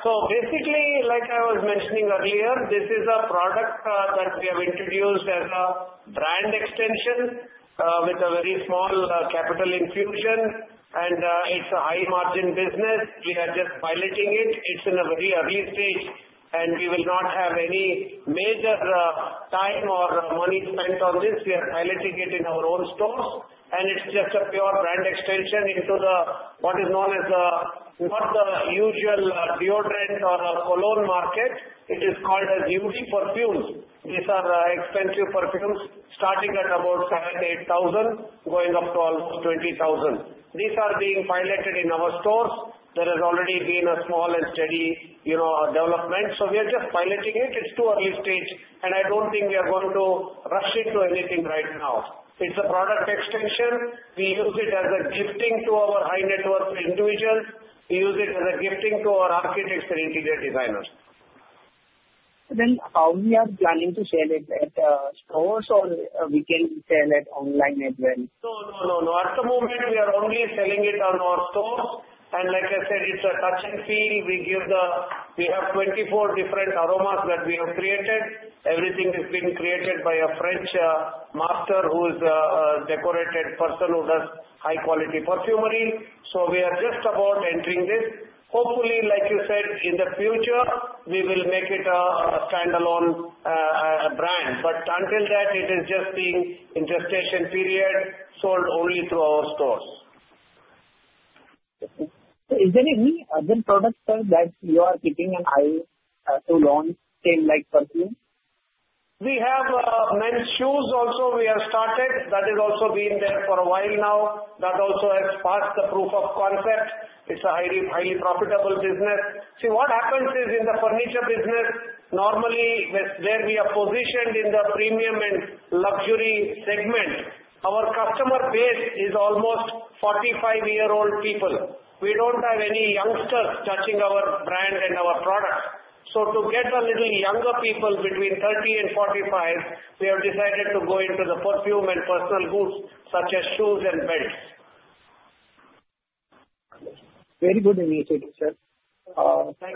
So, basically, like I was mentioning earlier, this is a product that we have introduced as a brand extension with a very small capital infusion, and it's a high-margin business. We are just piloting it. It's in a very early stage, and we will not have any major time or money spent on this. We are piloting it in our own stores, and it's just a pure brand extension into what is known as not the usual deodorant or cologne market. It is called as Oud perfumes. These are expensive perfumes starting at about 7,000, 8,000, going up to almost 20,000. These are being piloted in our stores. There has already been a small and steady, you know, development. So, we are just piloting it. It's too early stage, and I don't think we are going to rush into anything right now. It's a product extension. We use it as a gifting to our high-net-worth individuals. We use it as a gifting to our architects and interior designers. Then, how are you planning to sell it at stores or we can sell it online as well? No, no, no, no. At the moment, we are only selling it on our stores, and like I said, it's a touch and feel. We have 24 different aromas that we have created. Everything has been created by a French master who is a decorated person who does high-quality perfumery, so we are just about entering this. Hopefully, like you said, in the future, we will make it a standalone brand, but until that, it is just being in gestation period, sold only through our stores. Is there any other product, sir, that you are keeping an eye to launch in, like, perfume? We have men's shoes also. We have started. That has also been there for a while now. That also has passed the proof of concept. It's a highly profitable business. See, what happens is, in the furniture business, normally there we are positioned in the premium and luxury segment. Our customer base is almost 45-year-old people. We don't have any youngsters touching our brand and our products. So, to get a little younger people between 30 and 45, we have decided to go into the perfume and personal goods such as shoes and beds. Very good insight, sir.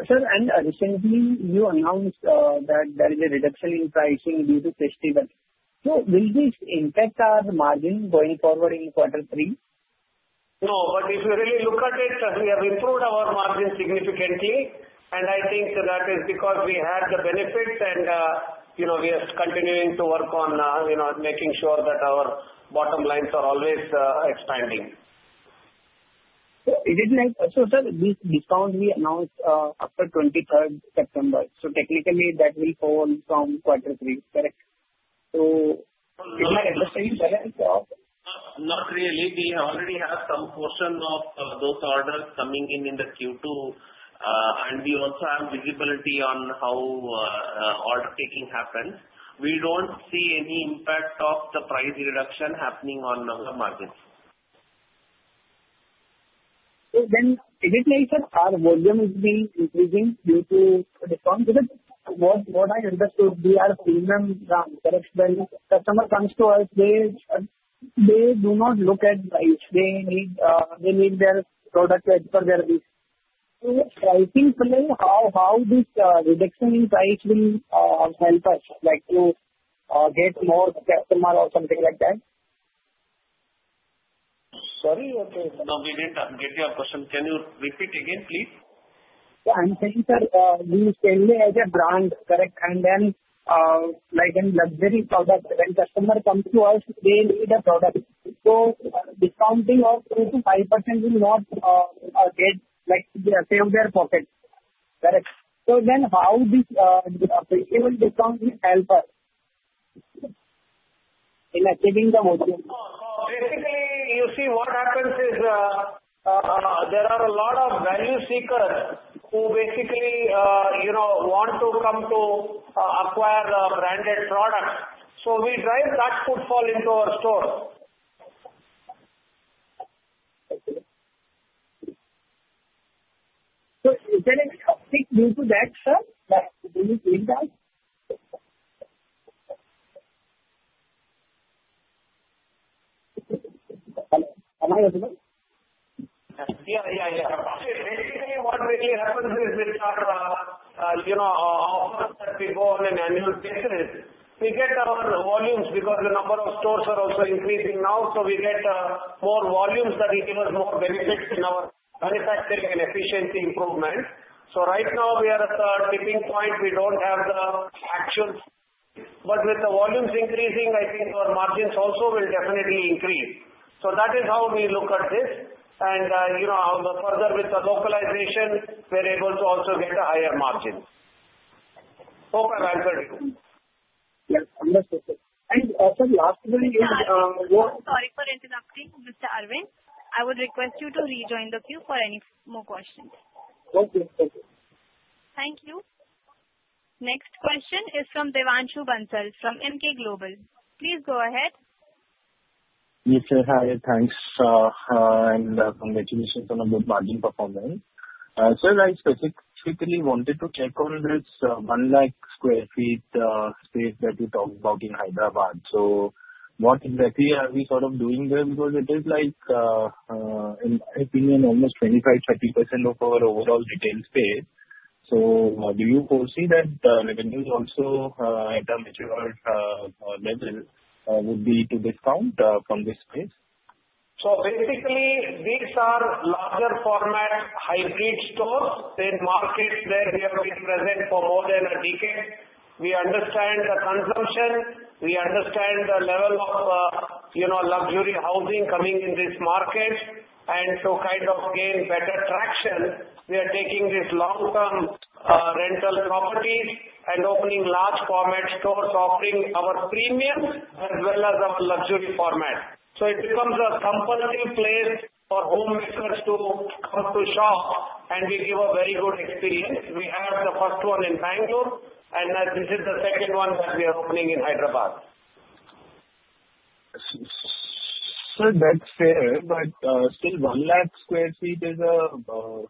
Sir, and recently you announced that there is a reduction in pricing due to festival. So, will this impact our margin going forward in quarter three? No, but if you really look at it, we have improved our margin significantly, and I think that is because we had the benefits, and, you know, we are continuing to work on, you know, making sure that our bottom lines are always expanding. So, is it like so, sir, this discount we announced after 23rd September, so technically that will fall from quarter three, correct? So, is my understanding correct? Not really. We already have some portion of those orders coming in in the Q2, and we also have visibility on how order taking happens. We don't see any impact of the price reduction happening on our margins. So, then, is it like, sir, our volume is being increasing due to discount? Because what I understood, we are seeing them, correct, when customer comes to us, they do not look at price. They need their product for their needs. So, pricing play, how this reduction in price will help us, like, to get more customers or something like that? Sorry? No, we didn't get your question. Can you repeat again, please? Yeah. I'm saying, sir, we sell as a brand, correct, and then like a luxury product. When customer comes to us, they need a product. So, discounting of 2%-5% will not get, like, save their pocket, correct? So, then, how this discount will help us in achieving the volume? Basically, you see what happens is there are a lot of value seekers who basically, you know, want to come to acquire the branded products. So, we drive that footfall into our stores. Okay. So, is there any uptick due to that, sir? Am I audible? Yeah. Basically, what really happens is with our, you know, offers that we go on an annual basis, we get our volumes because the number of stores are also increasing now, so we get more volumes that give us more benefits in our manufacturing and efficiency improvement. So, right now, we are at a tipping point. But with the volumes increasing, I think our margins also will definitely increase. So, that is how we look at this, and, you know, further with the localization, we're able to also get a higher margin. Hope I've answered you. Yes. Understood, sir. And, sir, lastly, you... Sorry for interrupting, Mr. Arvind. I would request you to rejoin the queue for any more questions. Okay. Thank you. Thank you. Next question is from Devanshu Bansal from Emkay Global. Please go ahead. Yes, sir. Hi. Thanks, sir, and congratulations on a good margin performance. Sir, I specifically wanted to check on this one lakh sq ft space that you talked about in Hyderabad. So, what exactly are we sort of doing there? Because it is, like, in my opinion, almost 25%-30% of our overall retail space. So, do you foresee that revenues also at a mature level would be to discount from this space? So, basically, these are larger format hybrid stores. They're markets where we have been present for more than a decade. We understand the consumption. We understand the level of, you know, luxury housing coming in this market. And to kind of gain better traction, we are taking these long-term rental properties and opening large format stores, offering our premium as well as our luxury format. So, it becomes a compulsive place for home makers to come to shop, and we give a very good experience. We have the first one in Bangalore, and this is the second one that we are opening in Hyderabad. Sir, that's fair, but still, one lakh sq ft is a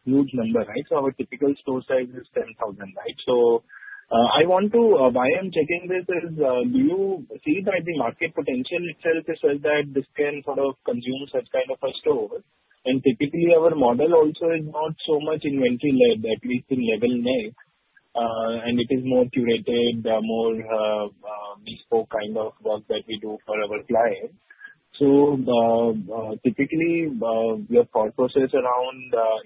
huge number, right? So, our typical store size is 10,000 sq ft, right? So, I want to, why I'm checking this is, do you see that the market potential itself is such that this can sort of consume such kind of a store? And typically, our model also is not so much inventory-led, at least in Level Next, and it is more curated, more bespoke kind of work that we do for our clients. So, typically, we have thought process around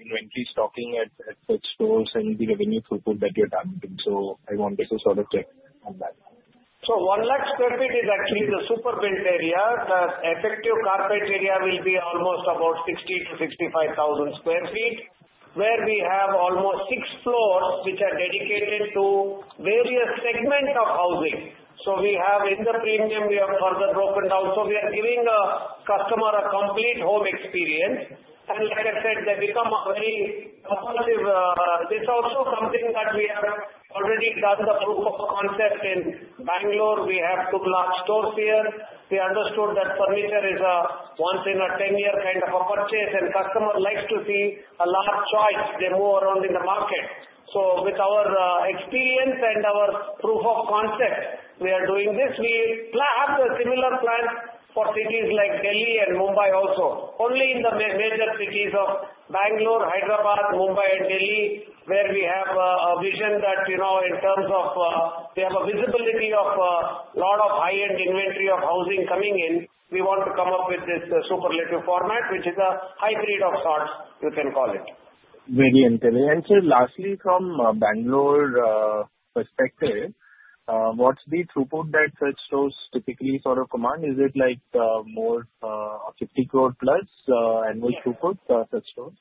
inventory stocking at such stores and the revenue throughput that we are targeting. So, I wanted to sort of check on that. One lakh sq ft is actually the super built area. The effective carpet area will be almost about 60,000-65,000 sq ft, where we have almost six floors which are dedicated to various segments of housing. We have in the premium, we have further broken down. We are giving a customer a complete home experience. And like I said, they become a very compulsive. It is also something that we have already done the proof of concept in Bangalore. We have two large stores here. We understood that furniture is a once-in-a-10-year kind of a purchase, and customer likes to see a large choice. They move around in the market. With our experience and our proof of concept, we are doing this. We have a similar plan for cities like Delhi and Mumbai also, only in the major cities of Bangalore, Hyderabad, Mumbai, and Delhi, where we have a vision that, you know, in terms of we have a visibility of a lot of high-end inventory of housing coming in. We want to come up with this superlative format, which is a hybrid of sorts, you can call it. Very interesting, and, sir, lastly, from Bengaluru perspective, what's the throughput that such stores typically sort of command? Is it like more 50 crore plus annual throughput for such stores?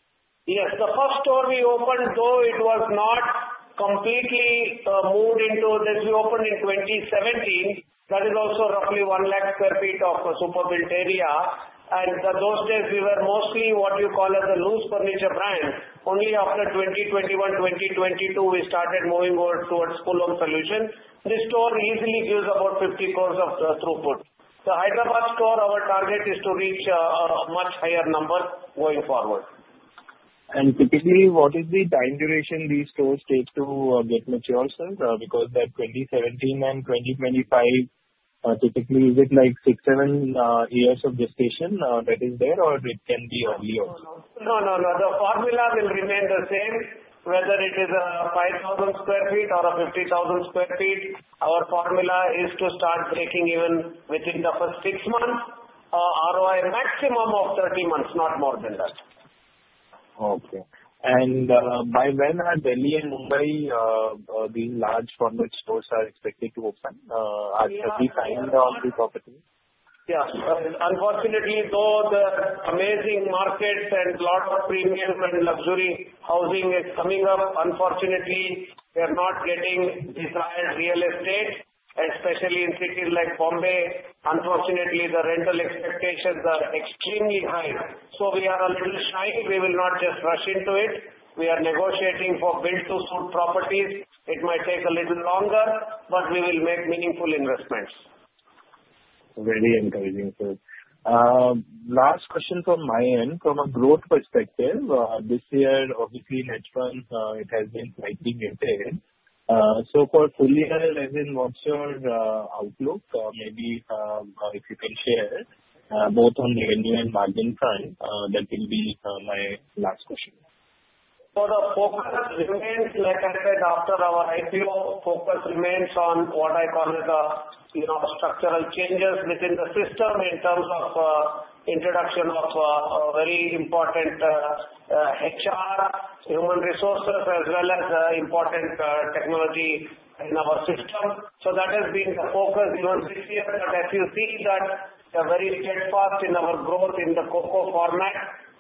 Yes. The first store we opened, though, it was not completely moved into this. We opened in 2017. That is also roughly 100,000 sq ft of a super built-up area. And those days, we were mostly what you call as a loose furniture brand. Only after 2021, 2022, we started moving over towards full-on solution. This store easily gives about 50 crores of throughput. The Hyderabad store, our target is to reach a much higher number going forward. Typically, what is the time duration these stores take to get mature, sir? Because that 2017 and 2025, typically, is it like six, seven years of gestation that is there, or it can be earlier? No, no, no. The formula will remain the same. Whether it is a 5,000 sq ft or a 50,000 sq ft, our formula is to start breaking even within the first six months, ROI maximum of 30 months, not more than that. Okay. And by when are Delhi and Mumbai, these large format stores expected to open? Are we tying down the property? Yeah. Unfortunately, though, the amazing market and a lot of premium and luxury housing is coming up. Unfortunately, we are not getting desired real estate, especially in cities like Bombay. Unfortunately, the rental expectations are extremely high. So, we are a little shy. We will not just rush into it. We are negotiating for build-to-suit properties. It might take a little longer, but we will make meaningful investments. Very encouraging, sir. Last question from my end. From a growth perspective, this year, obviously, headwinds, it has been slightly muted. So, for FY25, what's your outlook? Maybe if you can share both on revenue and margin front, that will be my last question. So, the focus remains, like I said, after our IPO, focus remains on what I call as the, you know, structural changes within the system in terms of introduction of very important HR, human resources, as well as important technology in our system. So, that has been the focus even this year. But as you see that, we are very steadfast in our growth in the COCO format.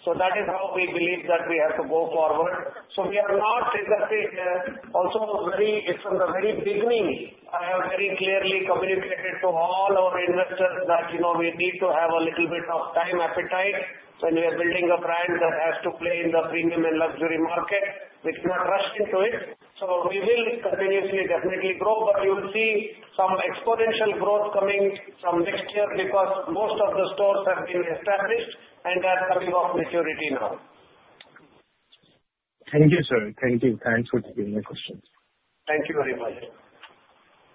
So, that is how we believe that we have to go forward. So, we are not, as I said, also very, from the very beginning, I have very clearly communicated to all our investors that, you know, we need to have a little bit of time appetite when we are building a brand that has to play in the premium and luxury market. We cannot rush into it. So, we will continuously definitely grow, but you'll see some exponential growth coming some next year because most of the stores have been established and are coming of maturity now. Thank you, sir. Thank you. Thanks for taking my questions. Thank you very much.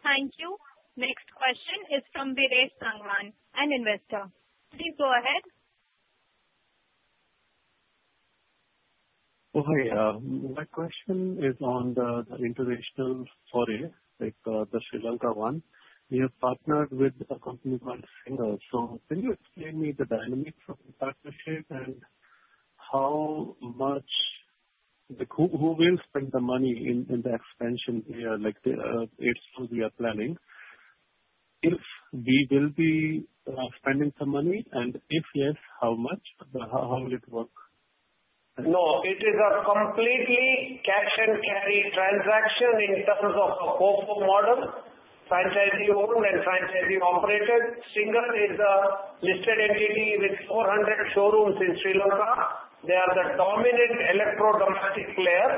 Thank you. Next question is from Vireesh Sangwan, an investor. Please go ahead. Hi. My question is on the international foray, like the Sri Lanka one. You have partnered with a company called Singer. So, can you explain me the dynamics of the partnership and how much who will spend the money in the expansion here, like it's who we are planning? If we will be spending some money, and if yes, how much? How will it work? No, it is a completely cash-and-carry transaction in terms of a COCO model, franchisee-owned and franchisee-operated. Singer is a listed entity with 400 showrooms in Sri Lanka. They are the dominant electro-domestic player.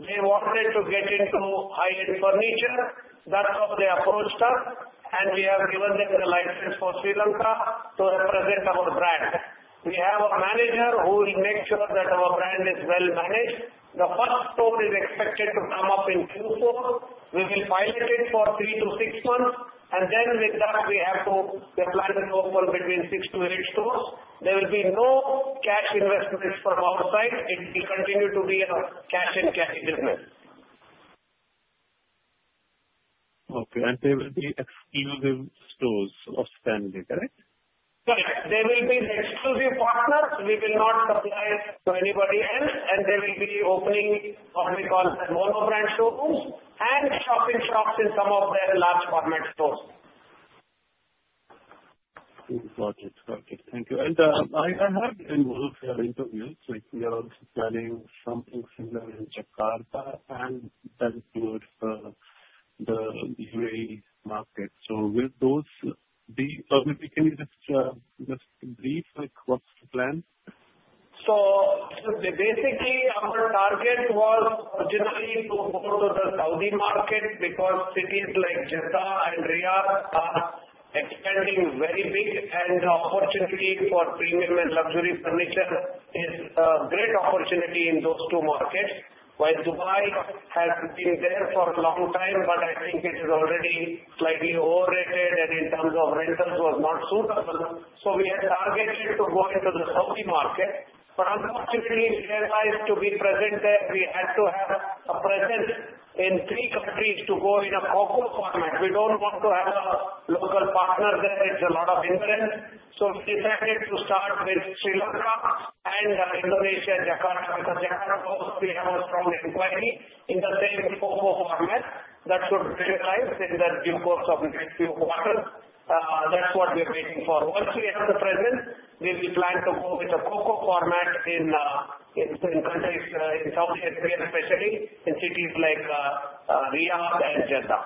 They wanted to get into high-end furniture. That's how they approached us, and we have given them the license for Sri Lanka to represent our brand. We have a manager who will make sure that our brand is well-managed. The first store is expected to come up in Q4. We will pilot it for three to six months, and then with that, we have to, the plan is to open between six to eight stores. There will be no cash investments from our side. It will continue to be a cash-and-carry business. Okay, and they will be exclusive stores of Stanley, correct? Correct. They will be the exclusive partners. We will not supply to anybody else, and they will be opening what we call mono-brand showrooms and shop-in-shops in some of their large format stores. Got it. Got it. Thank you. And I have in both interviews like we are planning something similar in Jakarta and that includes the UAE market. So, will those be? Can you just brief like what's the plan? So, basically, our target was originally to go to the Saudi market because cities like Jeddah and Riyadh are expanding very big, and the opportunity for premium and luxury furniture is a great opportunity in those two markets. While Dubai has been there for a long time, but I think it is already slightly overrated, and in terms of rentals, it was not suitable. So, we had targeted to go into the Saudi market, but unfortunately, we realized to be present there, we had to have a presence in three countries to go in a COCO format. We don't want to have a local partner there. It's a lot of interest. So, we decided to start with Sri Lanka and Indonesia, Jakarta, because Jakarta also we have a strong inquiry in the same COCO format that should materialize in the due course of the next few quarters. That's what we are waiting for. Once we have the presence, we will plan to go with the COCO format in countries in Saudi Arabia, especially in cities like Riyadh and Jeddah.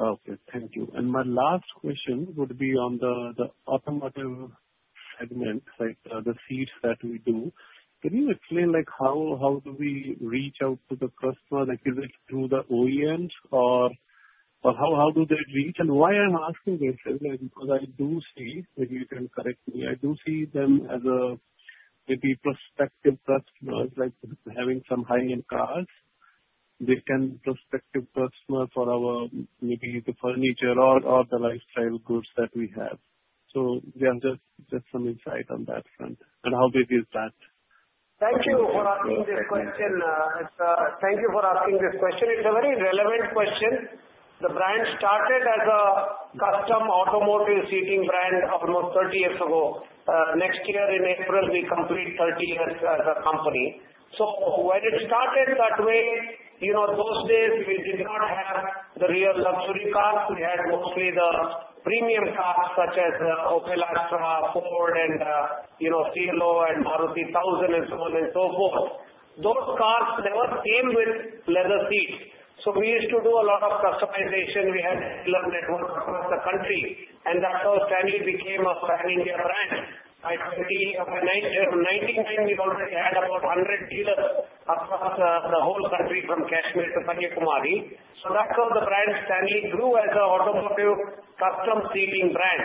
Okay. Thank you. And my last question would be on the automotive segment, like the seats that we do. Can you explain like how do we reach out to the customer? Like, is it through the OEMs, or how do they reach? And why I'm asking this, sir, is because I do see, if you can correct me, I do see them as maybe prospective customers, like having some high-end cars. They can be prospective customers for our maybe the furniture or the lifestyle goods that we have. So, yeah, just some insight on that front. And how big is that? Thank you for asking this question. It's a very relevant question. The brand started as a custom automotive seating brand almost 30 years ago. Next year, in April, we complete 30 years as a company. So, when it started that way, you know, those days, we did not have the real luxury cars. We had mostly the premium cars such as Opel Astra, Ford, and, you know, Cielo and Maruti 1000 and so on and so forth. Those cars never came with leather seats. So, we used to do a lot of customization. We had dealer network across the country, and that's how Stanley became a Pan-India brand. By 1999, we already had about 100 dealers across the whole country from Kashmir to Kanyakumari. So, that's how the brand Stanley grew as an automotive custom seating brand.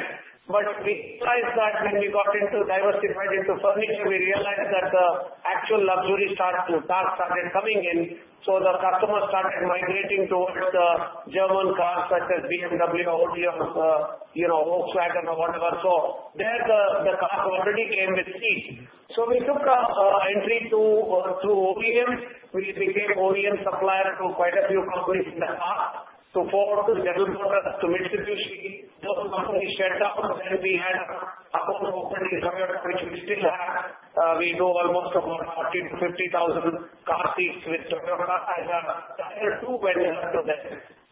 But we realized that when we got into diversified into furniture, we realized that the actual luxury cars started coming in. So, the customers started migrating towards the German cars such as BMW, Audi, you know, Volkswagen, or whatever. So, there, the cars already came with seats. So, we took our entry through OEM. We became OEM supplier to quite a few companies in the past to force the developers to distribute. Those companies shut down, then we had a whole company in Toyota, which we still have. We do almost about 40-50,000 car seats with Toyota as a tier two vendor to them.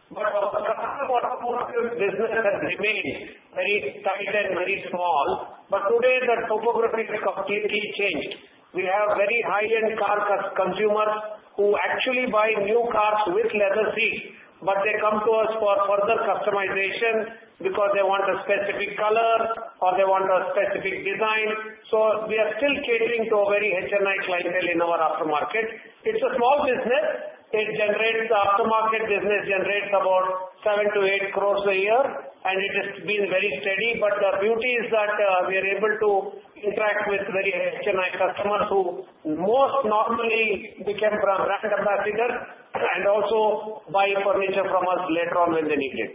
But our customer automotive business has remained very tight and very small. But today, the topography has completely changed. We have very high-end car consumers who actually buy new cars with leather seats, but they come to us for further customization because they want a specific color or they want a specific design. So, we are still catering to a very HNI clientele in our aftermarket. It's a small business. The aftermarket business generates about 7-8 crores a year, and it has been very steady. But the beauty is that we are able to interact with very HNI customers who most normally became brand ambassadors and also buy furniture from us later on when they need it.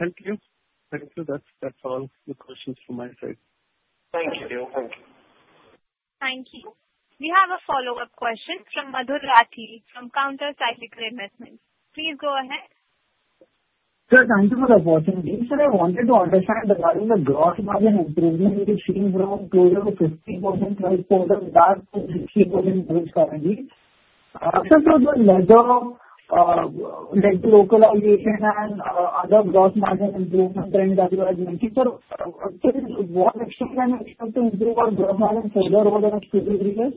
Thank you. Thank you. That's all the questions from my side. Thank you. Thank you. Thank you. We have a follow-up question from Madhur Rathi from Counter Cyclical Investment. Please go ahead. Sir, thank you for the question. I wanted to understand regarding the gross margin improvement we've seen from close to 50% pre-IPO to 60% currently. After the leather localization and other gross margin improvement trend that you have mentioned, sir, to what extent can we expect to improve our gross margin further over the next few years?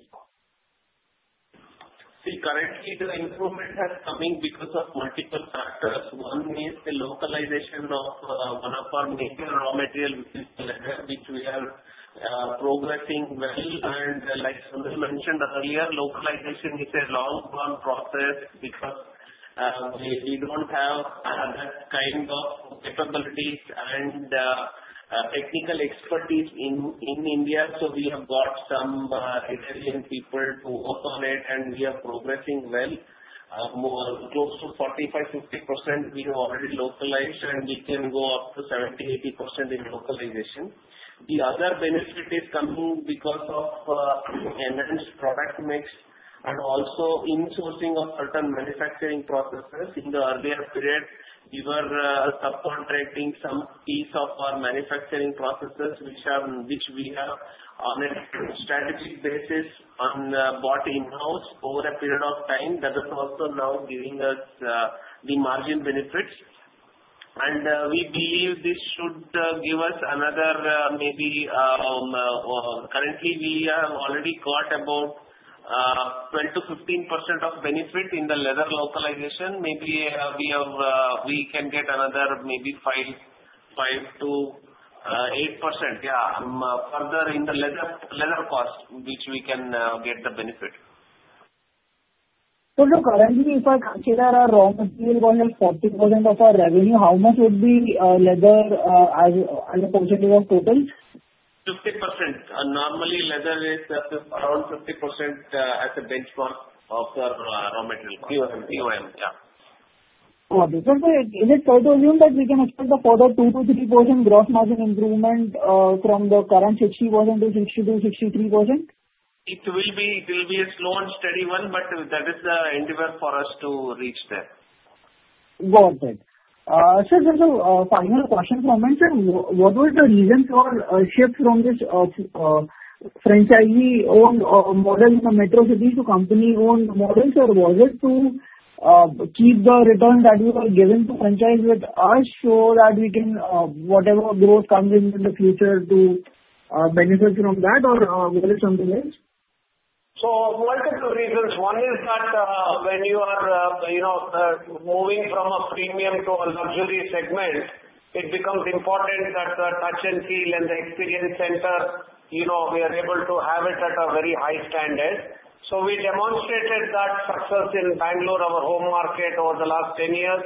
See, currently, the improvement has come because of multiple factors. One is the localization of one of our main raw materials, which is leather, which we are progressing well. And like Sunil mentioned earlier, localization is a long-term process because we don't have that kind of capabilities and technical expertise in India. So, we have got some Italian people to work on it, and we are progressing well. Close to 45%-50% we have already localized, and we can go up to 70%-80% in localization. The other benefit is coming because of enhanced product mix and also insourcing of certain manufacturing processes. In the earlier period, we were subcontracting some piece of our manufacturing processes, which we have on a strategic basis bought in-house over a period of time. That is also now giving us the margin benefits. We believe this should give us another. Maybe currently, we have already got about 10%-15% benefit in the leather localization. Maybe we can get another maybe five to eight%, yeah, further in the leather cost, which we can get the benefit. So, sir, currently, if I consider our raw material going at 40% of our revenue, how much would be leather as a percentage of total? 50%. Normally, leather is around 50% as a benchmark of our raw material cost. BOM, yeah. So, sir, is it fair to assume that we can expect a further 2%-3% gross margin improvement from the current 60% to 60%-63%? It will be a slow and steady one, but that is the endeavor for us to reach there. Got it. Sir, just a final question from me, sir. What was the reason for shift from this franchisee-owned model in the metro city to company-owned model? Sir, was it to keep the return that you were giving to franchise with us so that we can, whatever growth comes in the future, to benefit from that, or was it something else? So, multiple reasons. One is that when you are, you know, moving from a premium to a luxury segment, it becomes important that the touch and feel and the experience center, you know, we are able to have it at a very high standard. So, we demonstrated that success in Bangalore, our home market, over the last 10 years.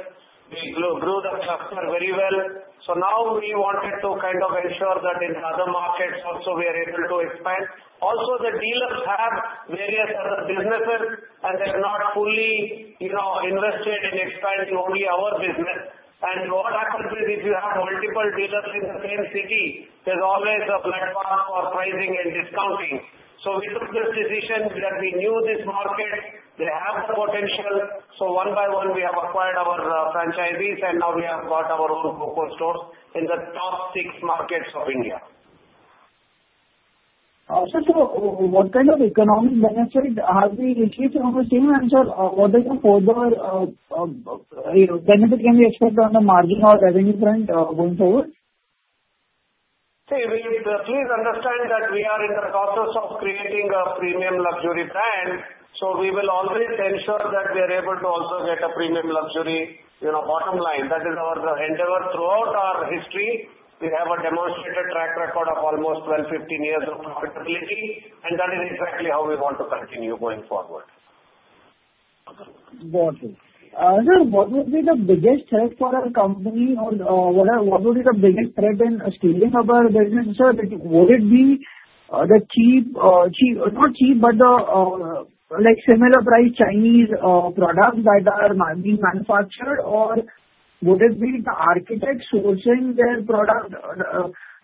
We grew the cluster very well. So, now we wanted to kind of ensure that in other markets also we are able to expand. Also, the dealers have various other businesses, and they're not fully, you know, invested in expanding only our business. And what happens is if you have multiple dealers in the same city, there's always a bloodbath for pricing and discounting. So, we took this decision that we knew this market, they have the potential. So, one by one, we have acquired our franchisees, and now we have got our own COCO stores in the top six markets of India. Sir, what kind of economic benefit have we achieved from the same manager? What is the further benefit can we expect on the margin or revenue trend going forward? See, please understand that we are in the process of creating a premium luxury brand. So, we will always ensure that we are able to also get a premium luxury, you know, bottom line. That is our endeavor throughout our history. We have a demonstrated track record of almost 12-15 years of profitability, and that is exactly how we want to continue going forward. Got it. Sir, what would be the biggest threat for our company? What would be the biggest threat in stealing our business, sir? Would it be the cheap, not cheap, but like similar price Chinese products that are being manufactured, or would it be the architect sourcing their product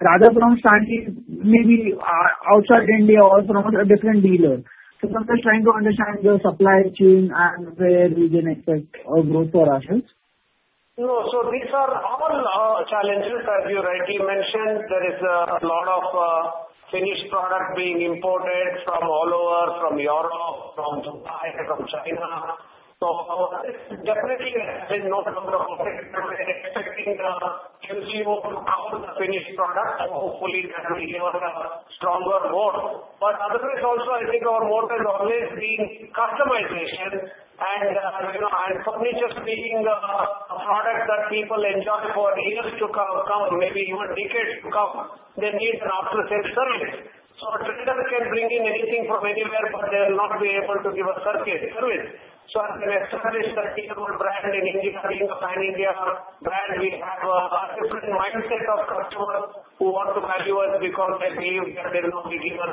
rather from Stanley, maybe outside India or from a different dealer? So, sir, just trying to understand the supply chain and where we can expect growth for us. These are all challenges that you rightly mentioned. There is a lot of finished product being imported from all over, from Europe, from Dubai, from China. Definitely, I have no doubt of expecting the COCO to come with a finished product. Hopefully, that will give us a stronger foothold. But otherwise, also, I think our motive has always been customization. You know, as furniture speaking, a product that people enjoy for years to come, maybe even decades to come, they need an after-sales service. Traders can bring in anything from anywhere, but they'll not be able to give a service. As an established 30-year-old brand in India, being a pan-India brand, we have a different mindset of customers who want to value us because they believe that they will not be given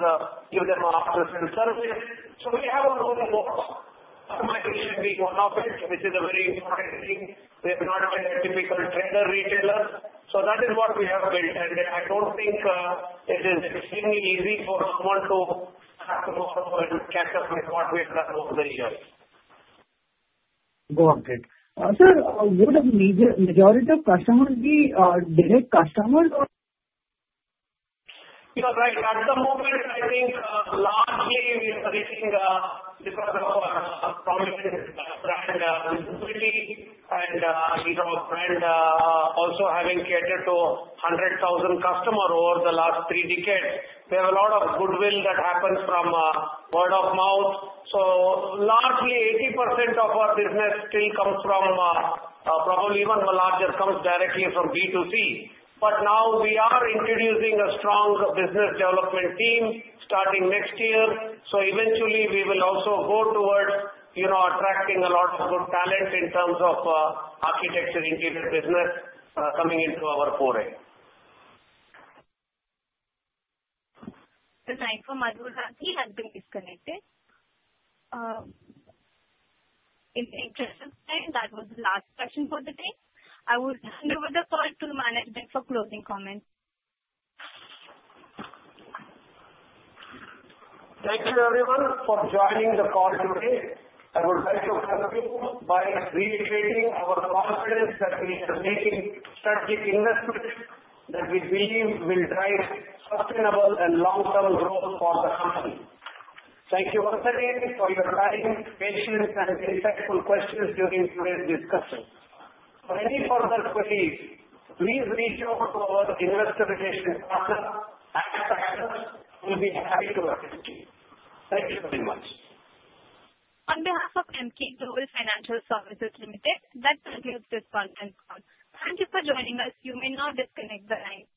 our after-sales service. so, we have our own box, customization being one of it, which is a very important thing. We are not a typical trader retailer. So, that is what we have built. And I don't think it is extremely easy for someone to start to follow and catch up with what we have done over the years. Got it. Sir, would a majority of customers be direct customers? You're right. At the moment, I think largely we are reaching because of our promising brand visibility and, you know, brand also having catered to 100,000 customers over the last three decades. We have a lot of goodwill that happens from word of mouth. So, largely, 80% of our business still comes from probably even the larger comes directly from B2C. But now we are introducing a strong business development team starting next year. So, eventually, we will also go towards, you know, attracting a lot of good talent in terms of architecture interior business coming into our foray. Thanks. Madhur Rathi has been disconnected. In the interest of time, that was the last question for the day. I will hand over the call to the management for closing comments. Thank you, everyone, for joining the call today. I would like to conclude by reiterating our confidence that we are making strategic investments that we believe will drive sustainable and long-term growth for the company. Thank you once again for your time, patience, and insightful questions during today's discussion. For any further queries, please reach out to our investor relations partner, Adfactors PR. We'll be happy to assist you. Thank you very much. On behalf of Emkay Global Financial Services Limited, that concludes this conference call. Thank you for joining us. You may now disconnect the line.